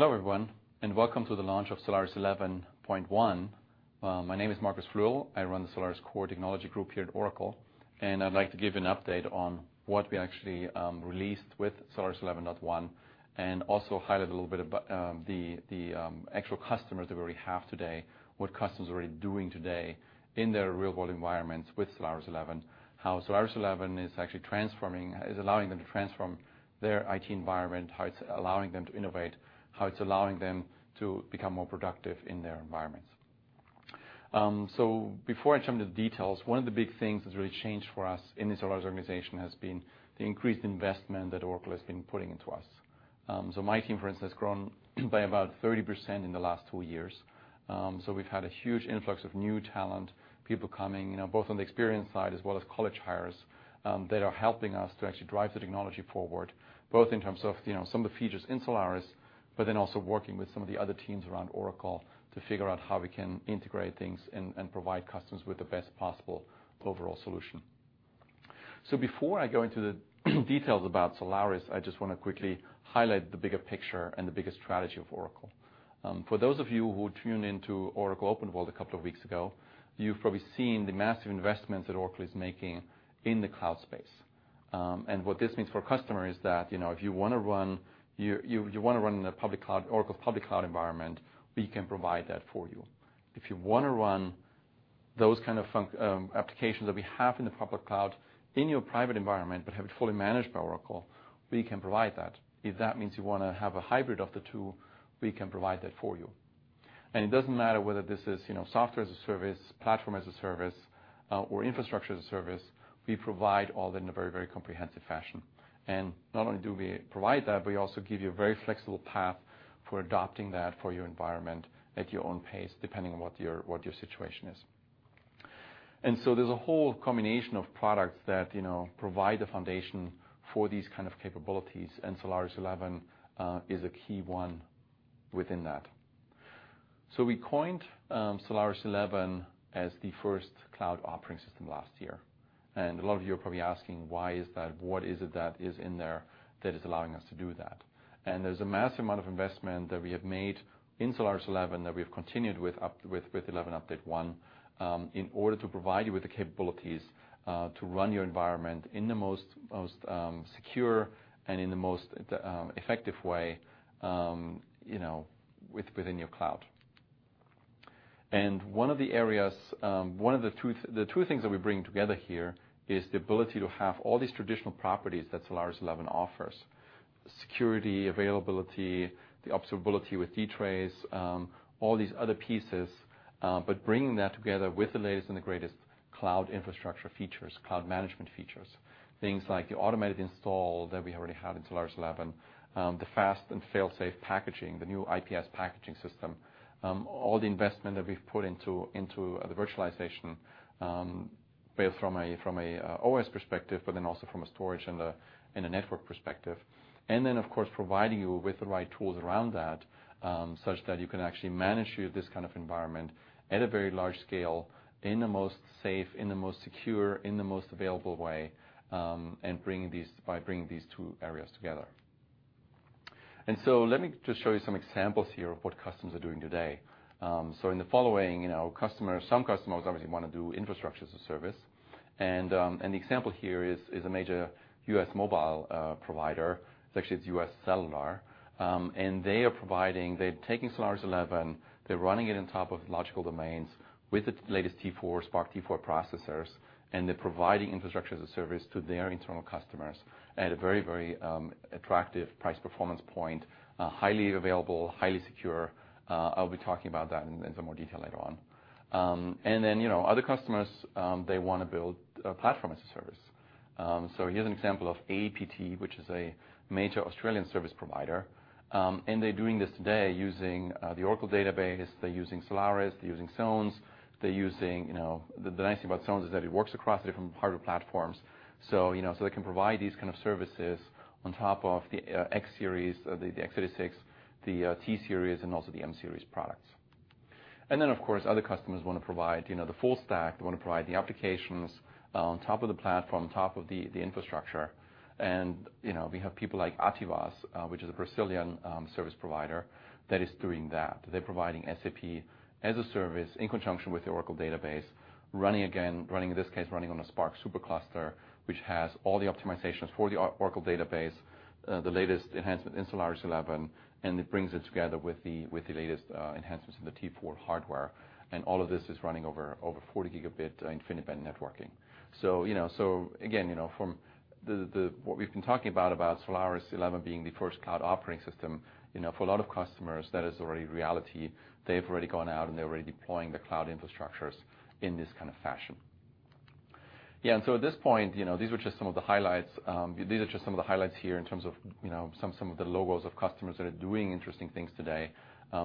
Hello everyone, welcome to the launch of Oracle Solaris 11.1. My name is Markus Flierl. I run the Solaris Core Technology Group here at Oracle, I'd like to give you an update on what we actually released with Oracle Solaris 11.1 and also highlight a little bit about the actual customers that we already have today, what customers are already doing today in their real-world environments with Oracle Solaris 11, how Oracle Solaris 11 is allowing them to transform their IT environment, how it's allowing them to innovate, how it's allowing them to become more productive in their environments. Before I jump into the details, one of the big things that's really changed for us in the Solaris organization has been the increased investment that Oracle has been putting into us. My team, for instance, has grown by about 30% in the last two years. We've had a huge influx of new talent, people coming, both on the experienced side as well as college hires, that are helping us to actually drive the technology forward, both in terms of some of the features in Solaris, also working with some of the other teams around Oracle to figure out how we can integrate things and provide customers with the best possible overall solution. Before I go into the details about Solaris, I just want to quickly highlight the bigger picture and the bigger strategy of Oracle. For those of you who tuned into Oracle OpenWorld a couple of weeks ago, you've probably seen the massive investments that Oracle is making in the cloud space. What this means for a customer is that, if you want to run in Oracle's public cloud environment, we can provide that for you. If you want to run those kind of applications that we have in the public cloud in your private environment, but have it fully managed by Oracle, we can provide that. If that means you want to have a hybrid of the two, we can provide that for you. It doesn't matter whether this is software as a service, platform as a service, or infrastructure as a service, we provide all that in a very comprehensive fashion. Not only do we provide that, but we also give you a very flexible path for adopting that for your environment at your own pace, depending on what your situation is. There's a whole combination of products that provide the foundation for these kind of capabilities, and Oracle Solaris 11 is a key one within that. We coined Oracle Solaris 11 as the first cloud operating system last year. A lot of you are probably asking, why is that? What is it that is in there that is allowing us to do that? There's a massive amount of investment that we have made in Oracle Solaris 11 that we've continued with Oracle Solaris 11.1, in order to provide you with the capabilities to run your environment in the most secure and in the most effective way within your cloud. The two things that we're bringing together here is the ability to have all these traditional properties that Oracle Solaris 11 offers, security, availability, the observability with DTrace, all these other pieces, bringing that together with the latest and the greatest cloud infrastructure features, cloud management features. Things like the automated install that we already had in Oracle Solaris 11, the fast and fail-safe packaging, the new IPS packaging system, all the investment that we've put into the virtualization, both from an OS perspective, also from a storage and a network perspective. Of course, providing you with the right tools around that such that you can actually manage this kind of environment at a very large scale, in the most safe, in the most secure, in the most available way by bringing these two areas together. Let me just show you some examples here of what customers are doing today. In the following, some customers obviously want to do infrastructure as a service. The example here is a major U.S. mobile provider. It's U.S. Cellular. They're taking Oracle Solaris 11, they're running it on top of logical domains with the latest SPARC T4 processors, they're providing infrastructure as a service to their internal customers at a very attractive price performance point, highly available, highly secure. I'll be talking about that in some more detail later on. Other customers, they want to build a platform as a service. Here's an example of AAPT, which is a major Australian service provider, they're doing this today using the Oracle Database. They're using Oracle Solaris, they're using Oracle Solaris Zones. The nice thing about Oracle Solaris Zones is that it works across different hardware platforms. They can provide these kind of services on top of the Oracle Server X-series, the X86, the SPARC T-series, also the SPARC M-series products. Of course, other customers want to provide the full stack. They want to provide the applications on top of the platform, on top of the infrastructure. We have people like Ativas, which is a Brazilian service provider that is doing that. They're providing SAP as a service in conjunction with the Oracle Database, in this case, running on a SPARC SuperCluster, which has all the optimizations for the Oracle Database, the latest enhancement in Oracle Solaris 11, it brings it together with the latest enhancements in the SPARC T4 hardware. All of this is running over 40 gigabit InfiniBand networking. Again, from what we've been talking about Oracle Solaris 11 being the first cloud operating system, for a lot of customers, that is already reality. They've already gone out they're already deploying the cloud infrastructures in this kind of fashion. Yeah, at this point, these are just some of the highlights here in terms of some of the logos of customers that are doing interesting things today.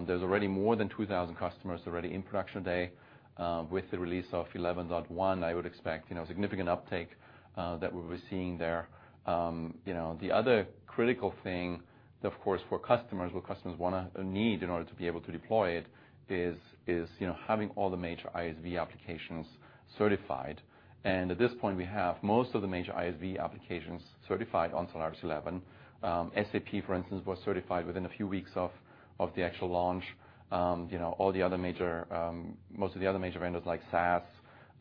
There's already more than 2,000 customers already in production today. With the release of Oracle Solaris 11.1, I would expect significant uptake that we'll be seeing there. The other critical thing, of course, for customers, what customers need in order to be able to deploy it is having all the major ISV applications certified. At this point, we have most of the major ISV applications certified on Oracle Solaris 11. SAP, for instance, was certified within a few weeks of the actual launch. Most of the other major vendors like SAS,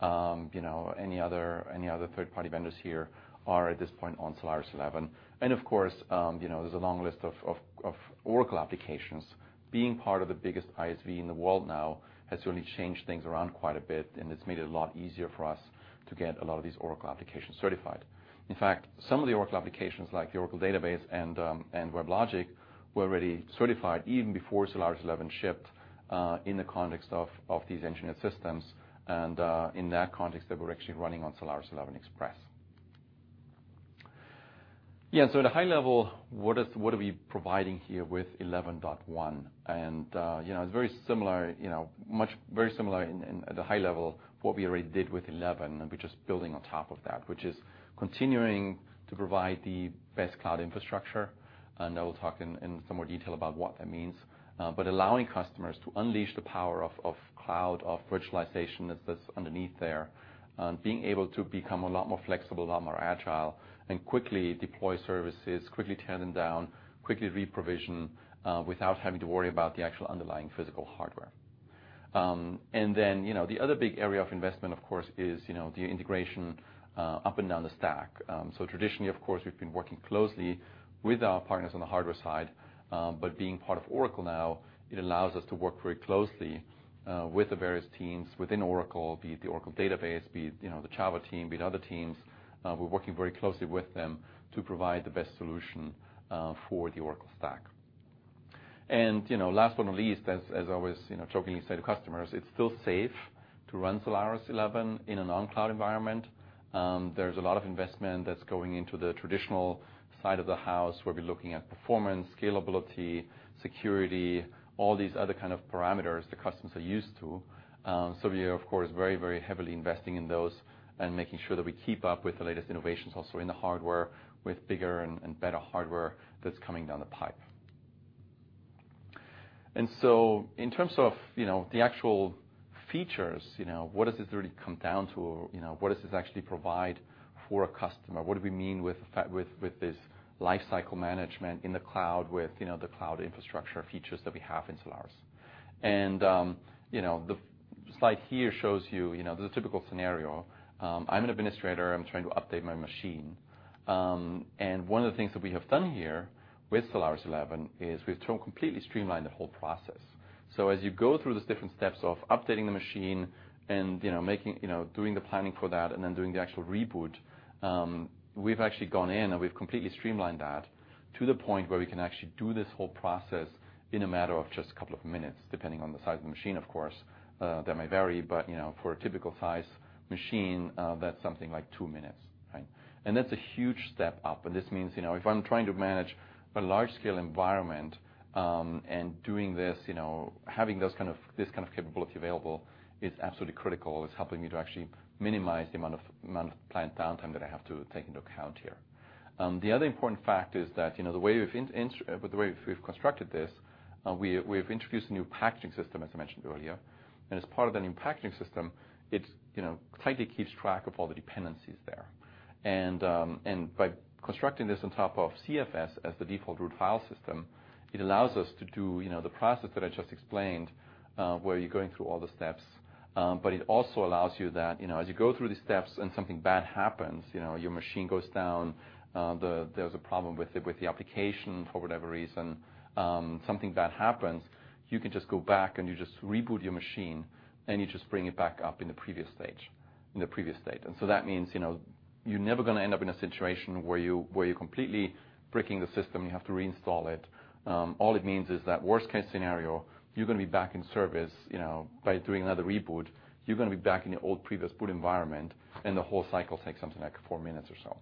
any other third-party vendors here are at this point on Oracle Solaris 11. Of course, there's a long list of Oracle applications. Being part of the biggest ISV in the world now has certainly changed things around quite a bit, it's made it a lot easier for us to get a lot of these Oracle applications certified. In fact, some of the Oracle applications, like the Oracle Database and WebLogic, were already certified even before Solaris 11 shipped in the context of these engineered systems, in that context, they were actually running on Solaris 11 Express. Yeah. At a high level, what are we providing here with 11.1? It's very similar at a high level what we already did with 11, we're just building on top of that, which is continuing to provide the best cloud infrastructure. I will talk in some more detail about what that means. Allowing customers to unleash the power of cloud, of virtualization that's underneath there, being able to become a lot more flexible, a lot more agile, quickly deploy services, quickly tear them down, quickly reprovision without having to worry about the actual underlying physical hardware. Then the other big area of investment, of course, is the integration up and down the stack. Traditionally, of course, we've been working closely with our partners on the hardware side. Being part of Oracle now, it allows us to work very closely with the various teams within Oracle, be it the Oracle Database, be it the Java team, be it other teams. We're working very closely with them to provide the best solution for the Oracle stack. Last but not least, as I always jokingly say to customers, it's still safe to run Solaris 11 in an on-cloud environment. There's a lot of investment that's going into the traditional side of the house, where we're looking at performance, scalability, security, all these other kind of parameters that customers are used to. We are, of course, very heavily investing in those and making sure that we keep up with the latest innovations also in the hardware with bigger and better hardware that's coming down the pipe. In terms of the actual features, what does this really come down to? What does this actually provide for a customer? What do we mean with this lifecycle management in the cloud with the cloud infrastructure features that we have in Solaris? The slide here shows you the typical scenario. I'm an administrator, I'm trying to update my machine. One of the things that we have done here with Solaris 11 is we've completely streamlined the whole process. As you go through the different steps of updating the machine doing the planning for that then doing the actual reboot, we've actually gone in, we've completely streamlined that to the point where we can actually do this whole process in a matter of just a couple of minutes, depending on the size of the machine, of course. That may vary, but for a typical size machine, that's something like two minutes, right? That's a huge step up, this means if I'm trying to manage a large-scale environment doing this, having this kind of capability available is absolutely critical. It's helping me to actually minimize the amount of planned downtime that I have to take into account here. The other important fact is that with the way we've constructed this, we've introduced a new packaging system, as I mentioned earlier. As part of that new packaging system, it tightly keeps track of all the dependencies there. By constructing this on top of ZFS as the default root file system, it allows us to do the process that I just explained where you're going through all the steps. It also allows you that as you go through the steps and something bad happens, your machine goes down, there's a problem with the application for whatever reason, something bad happens, you can just go back, and you just reboot your machine, and you just bring it back up in the previous stage, in the previous state. That means you're never going to end up in a situation where you're completely breaking the system, you have to reinstall it. All it means is that worst-case scenario, you're going to be back in service by doing another reboot. You're going to be back in your old previous boot environment, the whole cycle takes something like four minutes or so.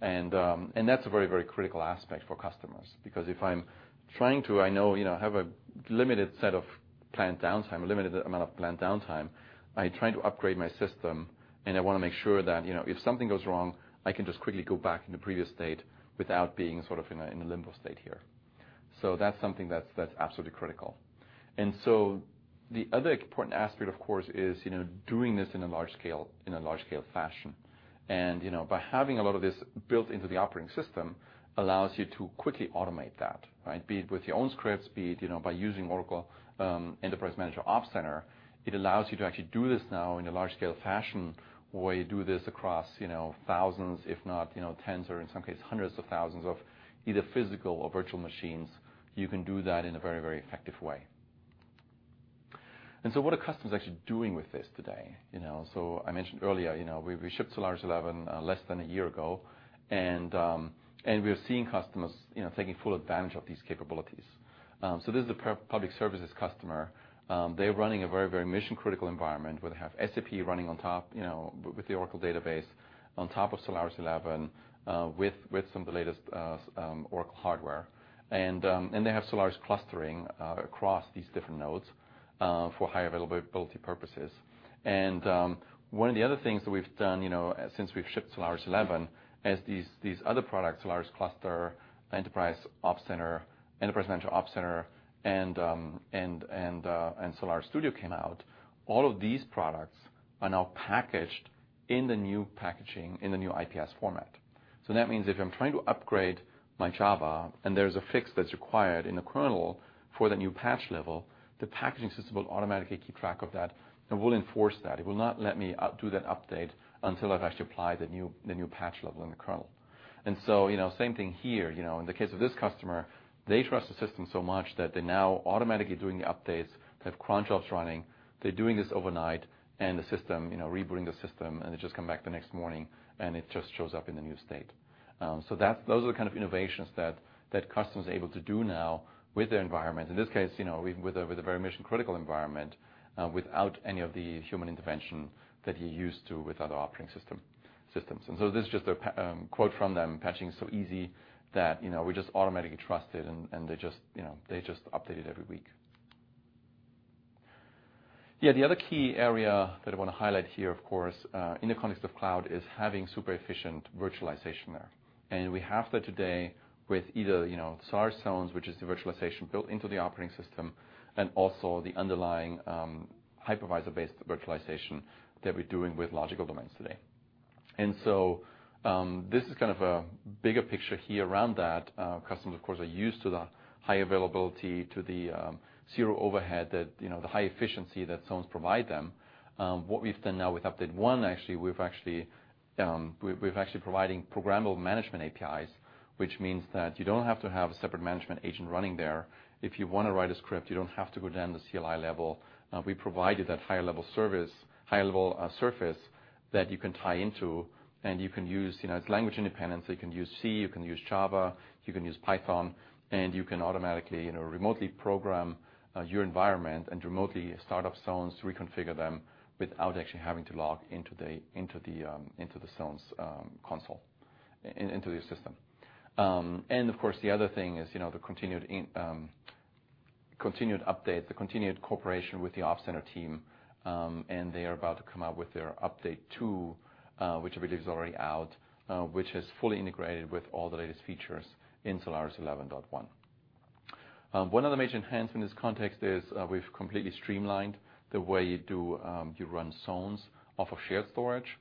That's a very critical aspect for customers. Because if I'm trying to-- I know I have a limited amount of planned downtime. I try to upgrade my system, and I want to make sure that if something goes wrong, I can just quickly go back in the previous state without being sort of in a limbo state here. That's something that's absolutely critical. The other important aspect, of course, is doing this in a large-scale fashion. By having a lot of this built into the operating system allows you to quickly automate that, right? Be it with your own scripts, be it by using Oracle Enterprise Manager Ops Center. It allows you to actually do this now in a large-scale fashion, where you do this across thousands, if not tens or in some cases hundreds of thousands of either physical or virtual machines. You can do that in a very effective way. What are customers actually doing with this today? I mentioned earlier, we shipped Solaris 11 less than a year ago, and we are seeing customers taking full advantage of these capabilities. This is a public services customer. They're running a very mission-critical environment where they have SAP running on top with the Oracle Database on top of Solaris 11 with some of the latest Oracle hardware. They have Solaris clustering across these different nodes for high availability purposes. One of the other things that we've done since we've shipped Solaris 11 is these other products, Solaris Cluster, Enterprise Ops Center, and Solaris Studio came out. All of these products are now packaged in the new packaging, in the new IPS format. That means if I'm trying to upgrade my Java and there's a fix that's required in the kernel for the new patch level, the packaging system will automatically keep track of that and will enforce that. It will not let me do that update until I've actually applied the new patch level in the kernel. Same thing here. In the case of this customer, they trust the system so much that they're now automatically doing the updates. They have cron jobs running. They're doing this overnight, rebooting the system, they just come back the next morning and it just shows up in the new state. Those are the kind of innovations that customers are able to do now with their environment, in this case, with a very mission-critical environment, without any of the human intervention that you're used to with other operating systems. This is just a quote from them, patching is so easy that we just automatically trust it, they just update it every week. The other key area that I want to highlight here, of course, in the context of cloud, is having super efficient virtualization there. We have that today with either Oracle Solaris Zones, which is the virtualization built into the operating system, and also the underlying hypervisor-based virtualization that we're doing with logical domains today. This is kind of a bigger picture here around that. Customers, of course, are used to the high availability, to the zero overhead, the high efficiency that Zones provide them. What we've done now with Update 1, actually, we're actually providing programmable management APIs, which means that you don't have to have a separate management agent running there. If you want to write a script, you don't have to go down the CLI level. We provided that higher-level surface that you can tie into, you can use. It's language independent, so you can use C, you can use Java, you can use Python, you can automatically remotely program your environment and remotely start up Zones to reconfigure them without actually having to log into the Zones console, into the system. Of course, the other thing is the continued updates, the continued cooperation with the Oracle Enterprise Manager Ops Center team. They are about to come out with their Update 2, which I believe is already out, which is fully integrated with all the latest features in Oracle Solaris 11.1. One of the major enhancements in this context is we've completely streamlined the way you run Zones off of shared storage.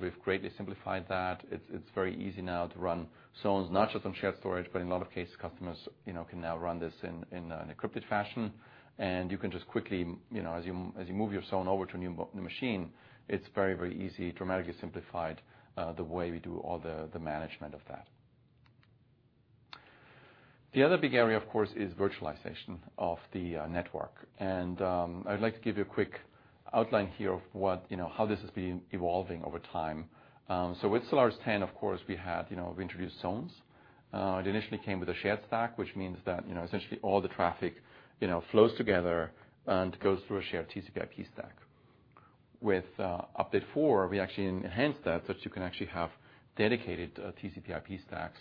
We've greatly simplified that. It's very easy now to run Zones, not just on shared storage, but in a lot of cases, customers can now run this in an encrypted fashion, you can just quickly, as you move your Zone over to a new machine, it's very, very easy, dramatically simplified the way we do all the management of that. The other big area, of course, is virtualization of the network. I'd like to give you a quick outline here of how this has been evolving over time. With Solaris 10, of course, we introduced Zones. It initially came with a shared stack, which means that essentially all the traffic flows together and goes through a shared TCP/IP stack. With Update 4, we actually enhanced that, so that you can actually have dedicated TCP/IP stacks.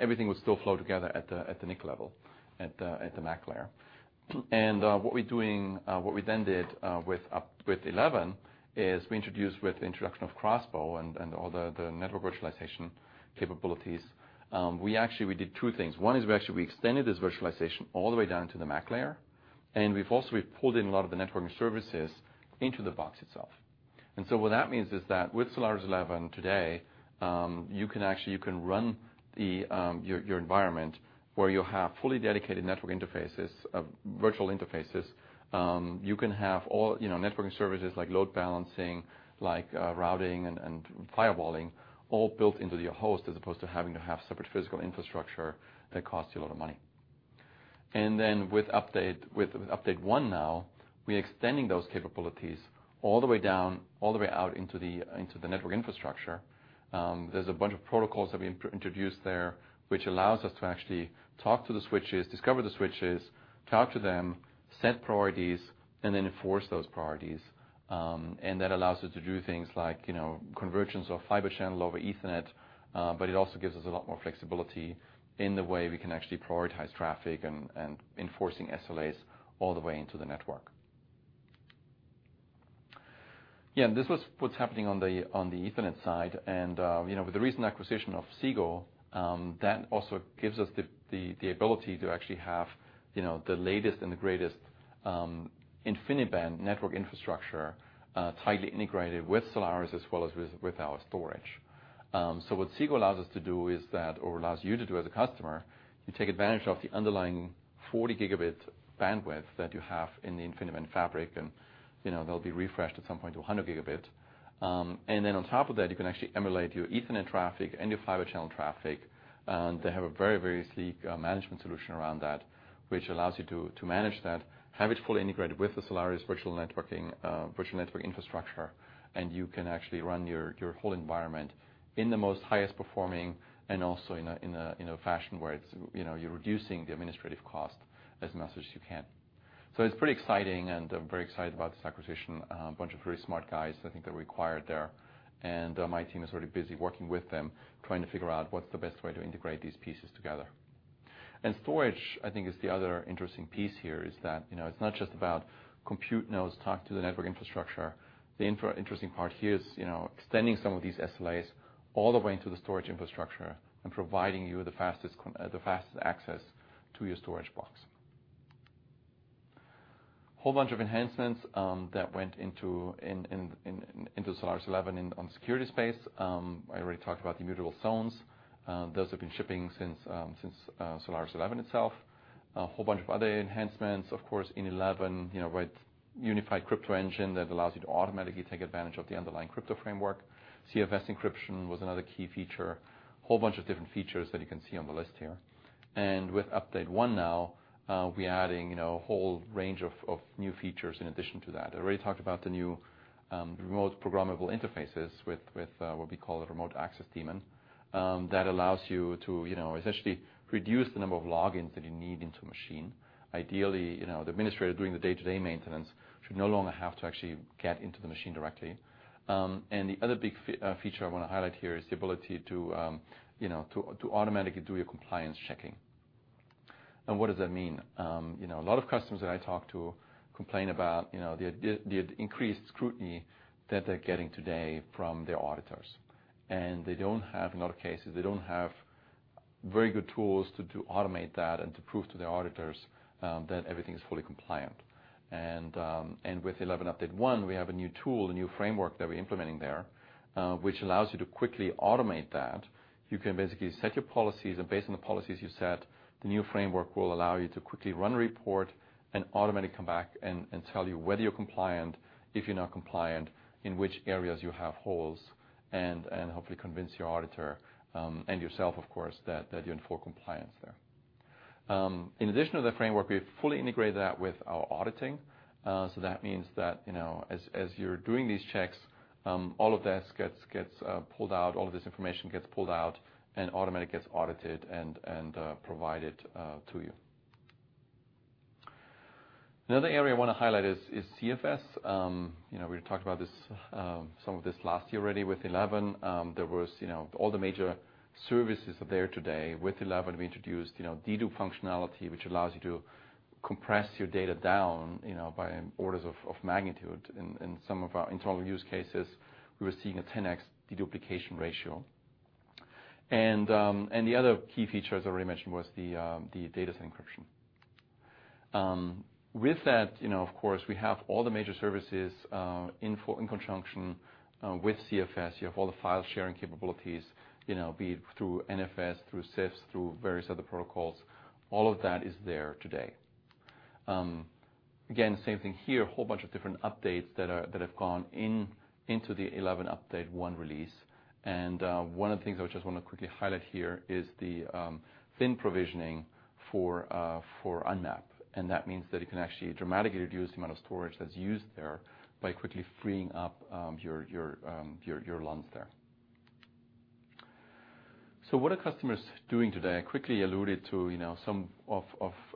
Everything would still flow together at the NIC level, at the MAC layer. What we then did with 11 is we introduced with the introduction of Project Crossbow and all the network virtualization capabilities, we did two things. One is we actually extended this virtualization all the way down to the MAC layer, we've also pulled in a lot of the networking services into the box itself. What that means is that with Oracle Solaris 11 today, you can run your environment where you have fully dedicated network interfaces, virtual interfaces. You can have all networking services like load balancing, like routing, and firewalling all built into your host, as opposed to having to have separate physical infrastructure that costs you a lot of money. Then with Update One now, we are extending those capabilities all the way down, all the way out into the network infrastructure. There is a bunch of protocols that we introduced there, which allows us to actually talk to the switches, discover the switches, talk to them, set priorities, then enforce those priorities. That allows us to do things like convergence of Fibre Channel over Ethernet, but it also gives us a lot more flexibility in the way we can actually prioritize traffic and enforcing SLAs all the way into the network. This was what is happening on the Ethernet side. With the recent acquisition of Xsigo, that also gives us the ability to actually have the latest and the greatest InfiniBand network infrastructure tightly integrated with Oracle Solaris as well as with our storage. What Xsigo allows us to do is that, or allows you to do as a customer, you take advantage of the underlying 40 gigabit bandwidth that you have in the InfiniBand fabric, they will be refreshed at some point to 100 gigabit. On top of that, you can actually emulate your Ethernet traffic and your Fibre Channel traffic. They have a very, very sleek management solution around that, which allows you to manage that, have it fully integrated with the Oracle Solaris virtual network infrastructure, and you can actually run your whole environment in the most highest performing and also in a fashion where you are reducing the administrative cost as much as you can. It is pretty exciting, I am very excited about this acquisition. A bunch of very smart guys I think that were acquired there, my team is already busy working with them, trying to figure out what is the best way to integrate these pieces together. Storage, I think, is the other interesting piece here, is that it is not just about compute nodes talk to the network infrastructure. The interesting part here is extending some of these SLAs all the way into the storage infrastructure and providing you the fastest access to your storage box. Whole bunch of enhancements that went into Oracle Solaris 11 on security space. I already talked about immutable zones. Those have been shipping since Oracle Solaris 11 itself. Whole bunch of other enhancements, of course, in 11, with unified crypto engine that allows you to automatically take advantage of the underlying crypto framework. ZFS encryption was another key feature. Whole bunch of different features that you can see on the list here. With Update One now, we are adding a whole range of new features in addition to that. I already talked about the new remote programmable interfaces with what we call a Remote Administration Daemon, that allows you to essentially reduce the number of logins that you need into a machine. Ideally, the administrator doing the day-to-day maintenance should no longer have to actually get into the machine directly. The other big feature I want to highlight here is the ability to automatically do your compliance checking. What does that mean? A lot of customers that I talk to complain about the increased scrutiny that they're getting today from their auditors. They don't have, in a lot of cases, they don't have very good tools to automate that and to prove to their auditors that everything is fully compliant. With 11 update one, we have a new tool, a new framework that we're implementing there, which allows you to quickly automate that. You can basically set your policies, based on the policies you set, the new framework will allow you to quickly run a report and automatically come back and tell you whether you're compliant, if you're not compliant, in which areas you have holes, and hopefully convince your auditor, and yourself of course, that you're in full compliance there. In addition to the framework, we have fully integrated that with our auditing. That means that as you're doing these checks, all of this gets pulled out, all of this information gets pulled out and automatically gets audited and provided to you. Another area I want to highlight is CIFS. We talked about some of this last year already with 11. All the major services are there today. With 11, we introduced dedupe functionality, which allows you to compress your data down by orders of magnitude. In total use cases, we were seeing a 10X deduplication ratio. The other key feature, as I already mentioned, was the data set encryption. With that, of course, we have all the major services in conjunction with CIFS. You have all the file-sharing capabilities, be it through NFS, through CIFS, through various other protocols. All of that is there today. Again, same thing here, whole bunch of different updates that have gone into the 11 update one release. One of the things I just want to quickly highlight here is the thin provisioning for UNMAP, and that means that you can actually dramatically reduce the amount of storage that's used there by quickly freeing up your LUNs there. What are customers doing today? I quickly alluded to some of,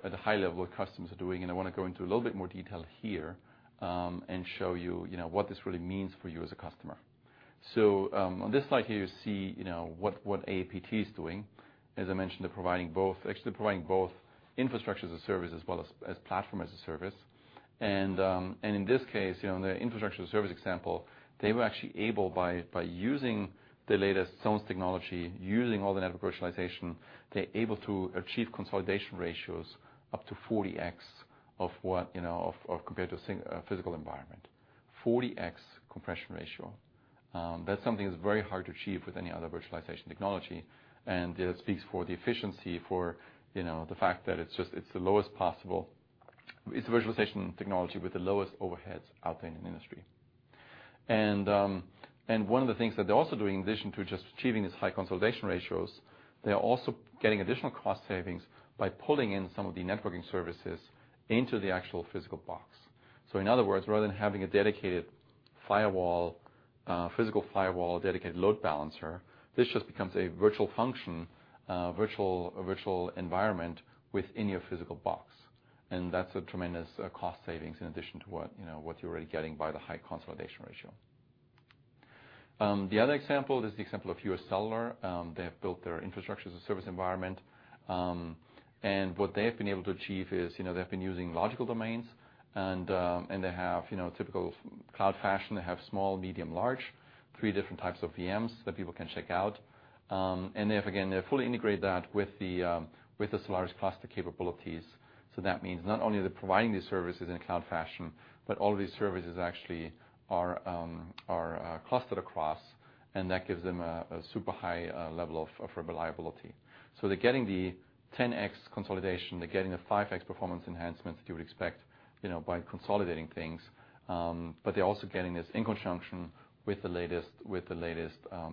at a high level, what customers are doing, I want to go into a little bit more detail here, and show you what this really means for you as a customer. On this slide here, you see what AAPT is doing. As I mentioned, they're actually providing both infrastructure as a service as well as platform as a service. In this case, on the infrastructure service example, they were actually able, by using the latest zones technology, using all the network virtualization, they're able to achieve consolidation ratios up to 40X compared to a physical environment. 40X compression ratio. That's something that's very hard to achieve with any other virtualization technology, that speaks for the efficiency for the fact that it's the virtualization technology with the lowest overheads out there in the industry. One of the things that they're also doing, in addition to just achieving these high consolidation ratios, they are also getting additional cost savings by pulling in some of the networking services into the actual physical box. In other words, rather than having a dedicated firewall, physical firewall, dedicated load balancer, this just becomes a virtual function, a virtual environment within your physical box. That's a tremendous cost savings in addition to what you're already getting by the high consolidation ratio. The other example is the example of U.S. Cellular. They have built their infrastructure as a service environment. What they have been able to achieve is they've been using logical domains, and they have typical cloud fashion. They have small, medium, large, 3 different types of VMs that people can check out. They have, again, they fully integrate that with the Oracle Solaris Cluster capabilities. That means not only are they providing these services in a cloud fashion, but all of these services actually are clustered across, and that gives them a super high level of reliability. They're getting the 10x consolidation, they're getting the 5x performance enhancements that you would expect by consolidating things. But they're also getting this in conjunction with the latest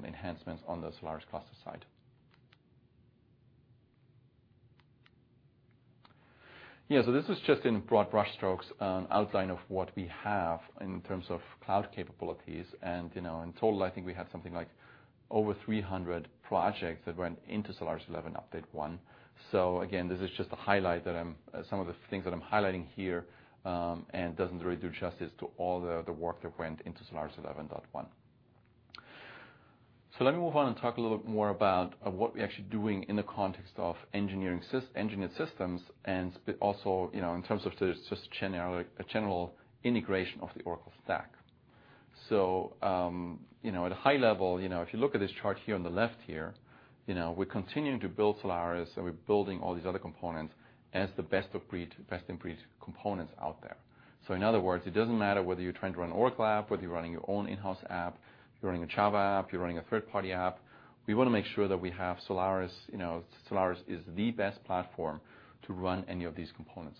enhancements on the Oracle Solaris Cluster side. This is just in broad brush strokes, an outline of what we have in terms of cloud capabilities. In total, I think we have something like over 300 projects that went into Oracle Solaris 11.1. Again, this is just some of the things that I'm highlighting here, and doesn't really do justice to all the work that went into Oracle Solaris 11.1. Let me move on and talk a little bit more about what we're actually doing in the context of engineered systems, and also in terms of just a general integration of the Oracle stack. At a high level, if you look at this chart here on the left here, we're continuing to build Oracle Solaris, and we're building all these other components as the best of breed, best in breed components out there. In other words, it doesn't matter whether you're trying to run Oracle app, whether you're running your own in-house app, if you're running a Java app, if you're running a third-party app, we want to make sure that we have Oracle Solaris. Oracle Solaris is the best platform to run any of these components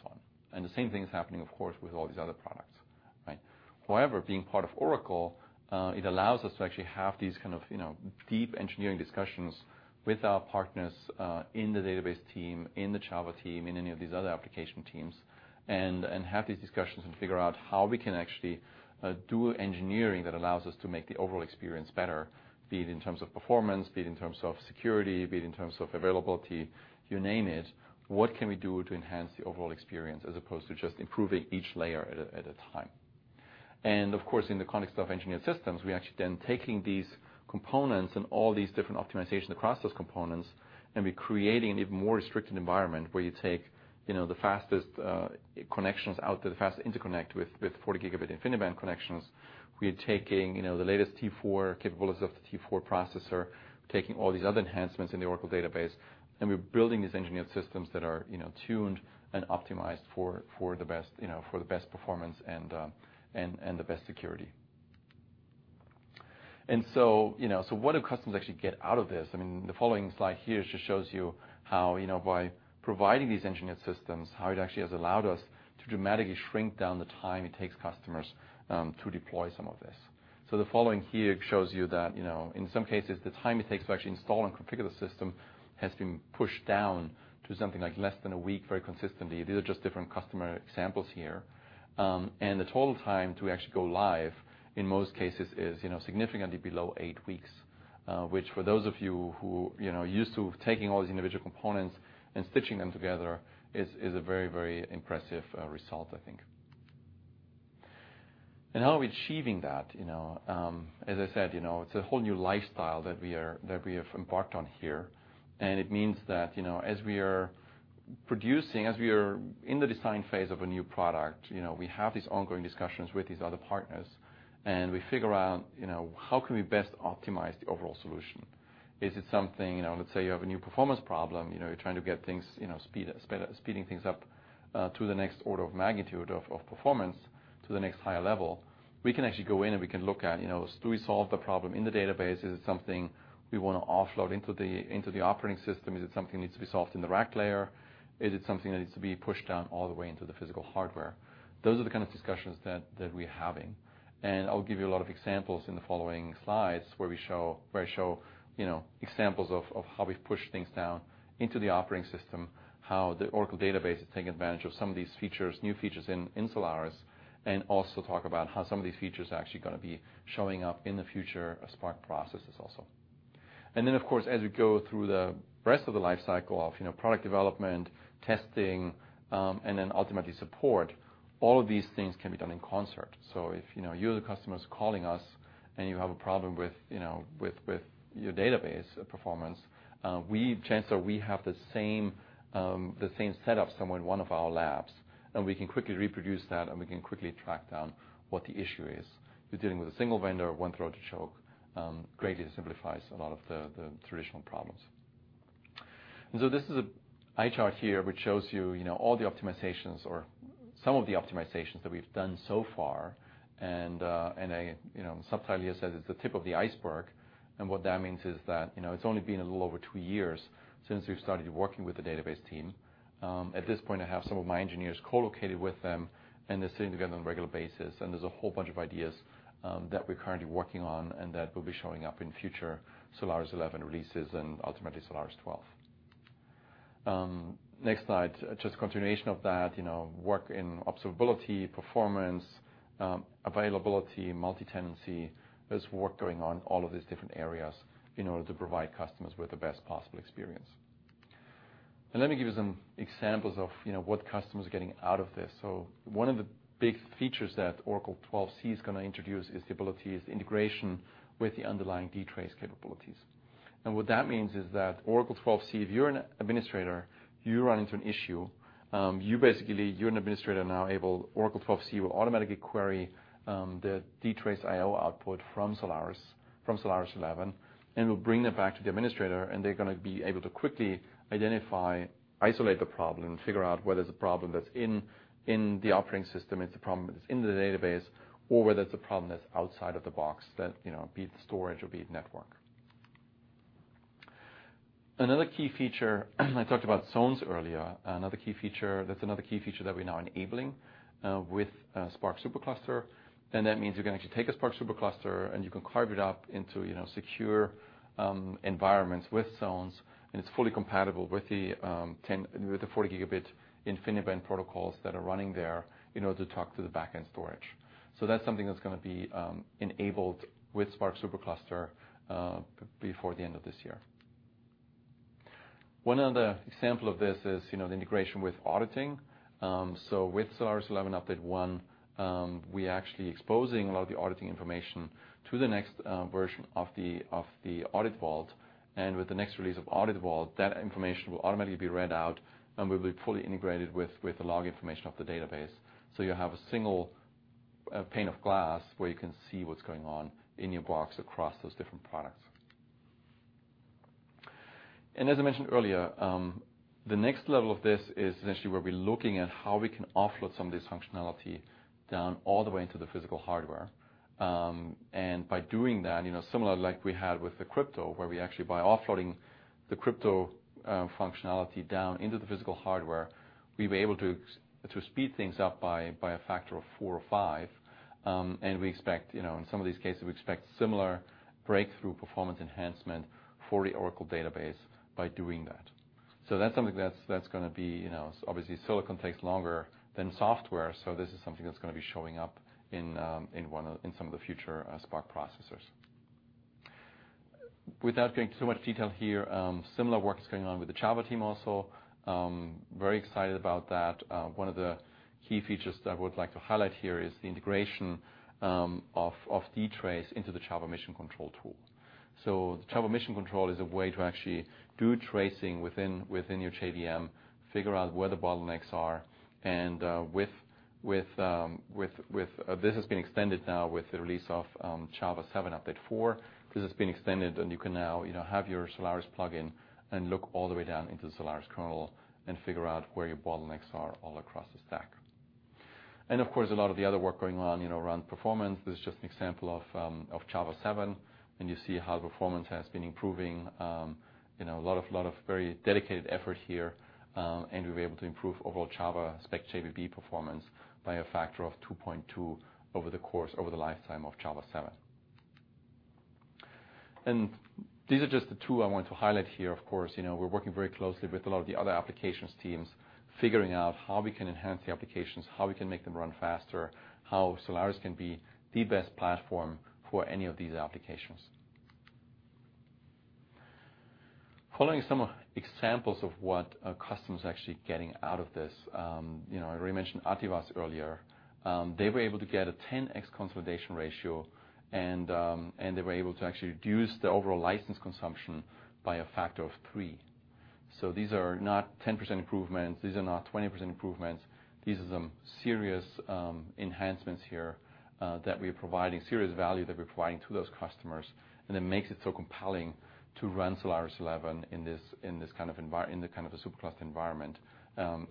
on. The same thing is happening, of course, with all these other products, right? However, being part of Oracle, it allows us to actually have these kind of deep engineering discussions with our partners, in the Oracle Database team, in the Java team, in any of these other application teams, and have these discussions and figure out how we can actually do engineering that allows us to make the overall experience better, be it in terms of performance, be it in terms of security, be it in terms of availability. You name it, what can we do to enhance the overall experience as opposed to just improving each layer at a time? Of course, in the context of engineered systems, we are actually then taking these components and all these different optimizations across those components, and we're creating an even more restricted environment where you take the fastest connections out to the fastest interconnect with 40 gigabit InfiniBand connections. We are taking the latest SPARC T4 capabilities of the SPARC T4 processor, taking all these other enhancements in the Oracle Database, and we're building these engineered systems that are tuned and optimized for the best performance and the best security. What do customers actually get out of this? The following slide here just shows you how by providing these engineered systems, how it actually has allowed us to dramatically shrink down the time it takes customers to deploy some of this. The following here shows you that, in some cases, the time it takes to actually install and configure the system has been pushed down to something like less than a week very consistently. These are just different customer examples here. The total time to actually go live, in most cases, is significantly below 8 weeks. Which for those of you who are used to taking all these individual components and stitching them together is a very impressive result, I think. How are we achieving that? As I said, it's a whole new lifestyle that we have embarked on here. It means that as we are producing, as we are in the design phase of a new product, we have these ongoing discussions with these other partners, and we figure out how can we best optimize the overall solution. Is it something, let's say you have a new performance problem, you're trying to get things, speeding things up to the next order of magnitude of performance to the next higher level. We can actually go in and we can look at, do we solve the problem in the Database? Is it something we want to offload into the operating system? Is it something that needs to be solved in the RAC layer? Is it something that needs to be pushed down all the way into the physical hardware? Those are the kind of discussions that we're having. I'll give you a lot of examples in the following slides where I show examples of how we've pushed things down into the operating system, how the Oracle Database is taking advantage of some of these features, new features in Solaris, and also talk about how some of these features are actually going to be showing up in the future of SPARC processors also. Of course, as we go through the rest of the life cycle of product development, testing, and then ultimately support, all of these things can be done in concert. If you as a customer is calling us and you have a problem with your Database performance, chances are we have the same setup somewhere in one of our labs, and we can quickly reproduce that, and we can quickly track down what the issue is. You're dealing with a single vendor, one throat to choke. Greatly simplifies a lot of the traditional problems. This is an eye chart here which shows you all the optimizations or some of the optimizations that we've done so far. A subtitle here says it's the tip of the iceberg. What that means is that it's only been a little over 2 years since we've started working with the Database team. At this point, I have some of my engineers co-located with them, and they're sitting together on a regular basis. There's a whole bunch of ideas that we're currently working on and that will be showing up in future Solaris 11 releases and ultimately Solaris 12. Next slide. Just a continuation of that. Work in observability, performance, availability, multi-tenancy. There's work going on in all of these different areas in order to provide customers with the best possible experience. Let me give you some examples of what customers are getting out of this. One of the big features that Oracle 12c is going to introduce is the integration with the underlying DTrace capabilities. What that means is that Oracle 12c, if you're an administrator, you run into an issue, you, an administrator, are now able. Oracle 12c will automatically query the DTrace IO output from Solaris 11, and it will bring that back to the administrator, and they're going to be able to quickly identify, isolate the problem, and figure out whether it's a problem that's in the operating system, it's a problem that's in the database, or whether it's a problem that's outside of the box that, be it storage or be it network. Another key feature, I talked about zones earlier. That's another key feature that we're now enabling with SPARC SuperCluster. That means you can actually take a SPARC SuperCluster and you can carve it up into secure environments with zones, and it's fully compatible with the 40 gigabit InfiniBand protocols that are running there in order to talk to the back-end storage. That's something that's going to be enabled with SPARC SuperCluster before the end of this year. One other example of this is the integration with auditing. With Oracle Solaris 11.1, we are actually exposing a lot of the auditing information to the next version of the Audit Vault, and with the next release of Audit Vault, that information will automatically be read out and will be fully integrated with the log information of the database. You have a single pane of glass where you can see what's going on in your box across those different products. As I mentioned earlier, the next level of this is essentially where we're looking at how we can offload some of this functionality down all the way into the physical hardware. By doing that, similar like we had with the crypto, where we actually, by offloading the crypto functionality down into the physical hardware, we were able to speed things up by a factor of four or five. We expect, in some of these cases, we expect similar breakthrough performance enhancement for the Oracle Database by doing that. That's something that's going to be. Obviously, silicon takes longer than software, so this is something that's going to be showing up in some of the future SPARC processors. Without going into too much detail here, similar work is going on with the Java team also. Very excited about that. One of the key features that I would like to highlight here is the integration of DTrace into the Java Mission Control tool. The Java Mission Control is a way to actually do tracing within your JVM, figure out where the bottlenecks are, and this has been extended now with the release of Java SE 7 Update 4. This has been extended, and you can now have your Solaris plugin and look all the way down into the Solaris kernel and figure out where your bottlenecks are all across the stack. Of course, a lot of the other work going on around performance. This is just an example of Java SE 7, and you see how performance has been improving. A lot of very dedicated effort here, and we were able to improve overall Java SPECjbb performance by a factor of 2.2 over the course, over the lifetime of Java SE 7. And these are just the two I wanted to highlight here. Of course, we're working very closely with a lot of the other applications teams, figuring out how we can enhance the applications, how we can make them run faster, how Solaris can be the best platform for any of these applications. Following some examples of what a customer is actually getting out of this. I already mentioned Ativas earlier. They were able to get a 10x consolidation ratio, and they were able to actually reduce the overall license consumption by a factor of three. These are not 10% improvements, these are not 20% improvements. These are some serious enhancements here that we are providing, serious value that we're providing to those customers, and it makes it so compelling to run Oracle Solaris 11 in the kind of a supercluster environment,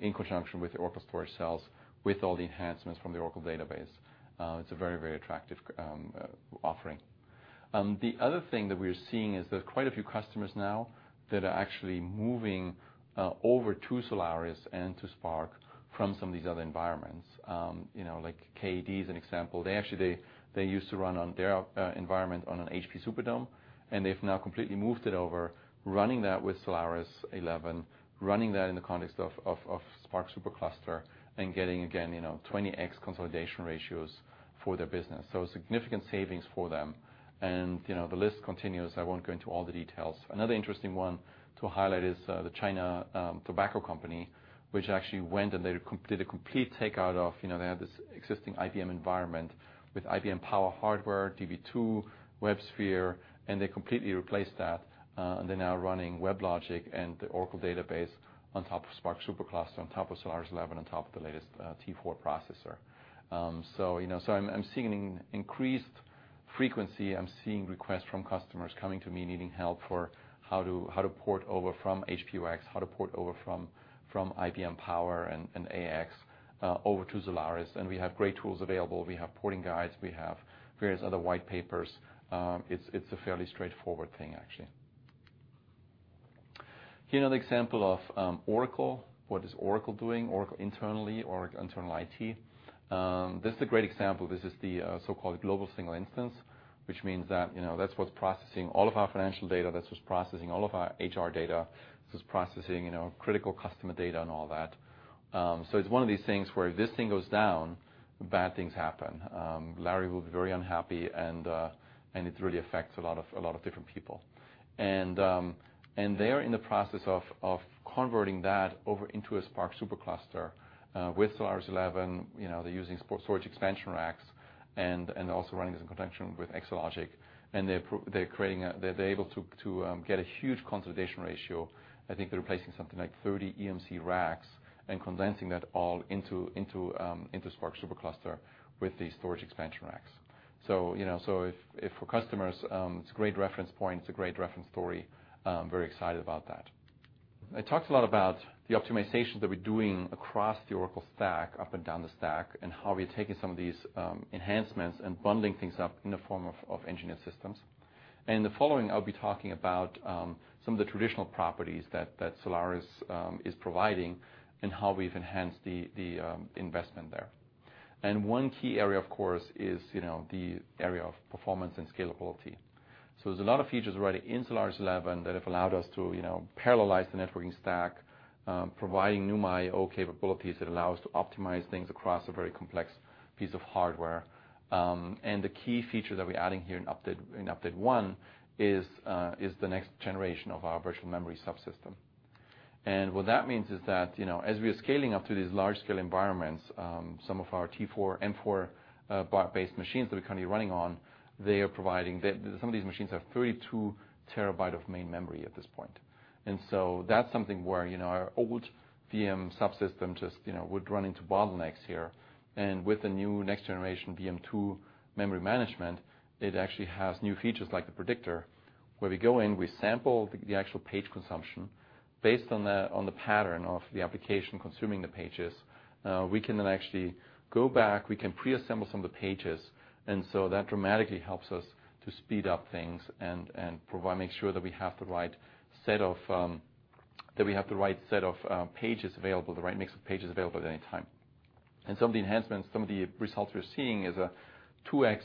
in conjunction with Oracle Exadata Storage Cells, with all the enhancements from the Oracle Database. It's a very, very attractive offering. The other thing that we're seeing is there's quite a few customers now that are actually moving over to Solaris and to SPARC from some of these other environments. Like KED is an example. They used to run on their environment on an HPE Superdome, and they've now completely moved it over, running that with Oracle Solaris 11, running that in the context of SPARC SuperCluster, and getting, again, 20x consolidation ratios for their business. Significant savings for them, and the list continues. I won't go into all the details. Another interesting one to highlight is the China Tobacco, which actually went and they did a complete take out of-- they had this existing IBM environment with IBM Power Systems, Db2, WebSphere, and they completely replaced that. They're now running WebLogic and the Oracle Database on top of SPARC SuperCluster, on top of Oracle Solaris 11, on top of the latest SPARC T4 processor. I'm seeing an increased frequency. I'm seeing requests from customers coming to me needing help for how to port over from HP-UX, how to port over from IBM Power Systems and AIX over to Solaris, and we have great tools available. We have porting guides. We have various other white papers. It's a fairly straightforward thing, actually. Here, another example of Oracle. What is Oracle doing internally, Oracle internal IT? This is a great example. This is the so-called global single instance, which means that's what's processing all of our financial data. That's what's processing all of our HR data. This is processing critical customer data and all that. It's one of these things where if this thing goes down, bad things happen. Larry will be very unhappy, and it really affects a lot of different people. They're in the process of converting that over into a SPARC SuperCluster with Solaris 11. They're using storage expansion racks and also running this in conjunction with Exalogic. They're able to get a huge consolidation ratio. I think they're replacing something like 30 EMC racks and condensing that all into SPARC SuperCluster with the storage expansion racks. For customers, it's a great reference point. It's a great reference story. I'm very excited about that. I talked a lot about the optimizations that we're doing across the Oracle stack, up and down the stack, and how we're taking some of these enhancements and bundling things up in the form of engineered systems. In the following, I'll be talking about some of the traditional properties that Solaris is providing and how we've enhanced the investment there. One key area, of course, is the area of performance and scalability. There's a lot of features already in Solaris 11 that have allowed us to parallelize the networking stack, providing new I/O capabilities that allow us to optimize things across a very complex piece of hardware. The key feature that we're adding here in update one is the next generation of our virtual memory subsystem. What that means is that as we are scaling up to these large-scale environments, some of our T4, M4 block-based machines that we're currently running on, some of these machines have 32 terabytes of main memory at this point. That's something where our old VM subsystem just would run into bottlenecks here. With the new next generation VM2 memory management, it actually has new features like the predictor, where we go in, we sample the actual page consumption. Based on the pattern of the application consuming the pages, we can then actually go back, we can pre-assemble some of the pages. That dramatically helps us to speed up things and make sure that we have the right set of pages available, the right mix of pages available at any time. Some of the enhancements, some of the results we're seeing is a 2x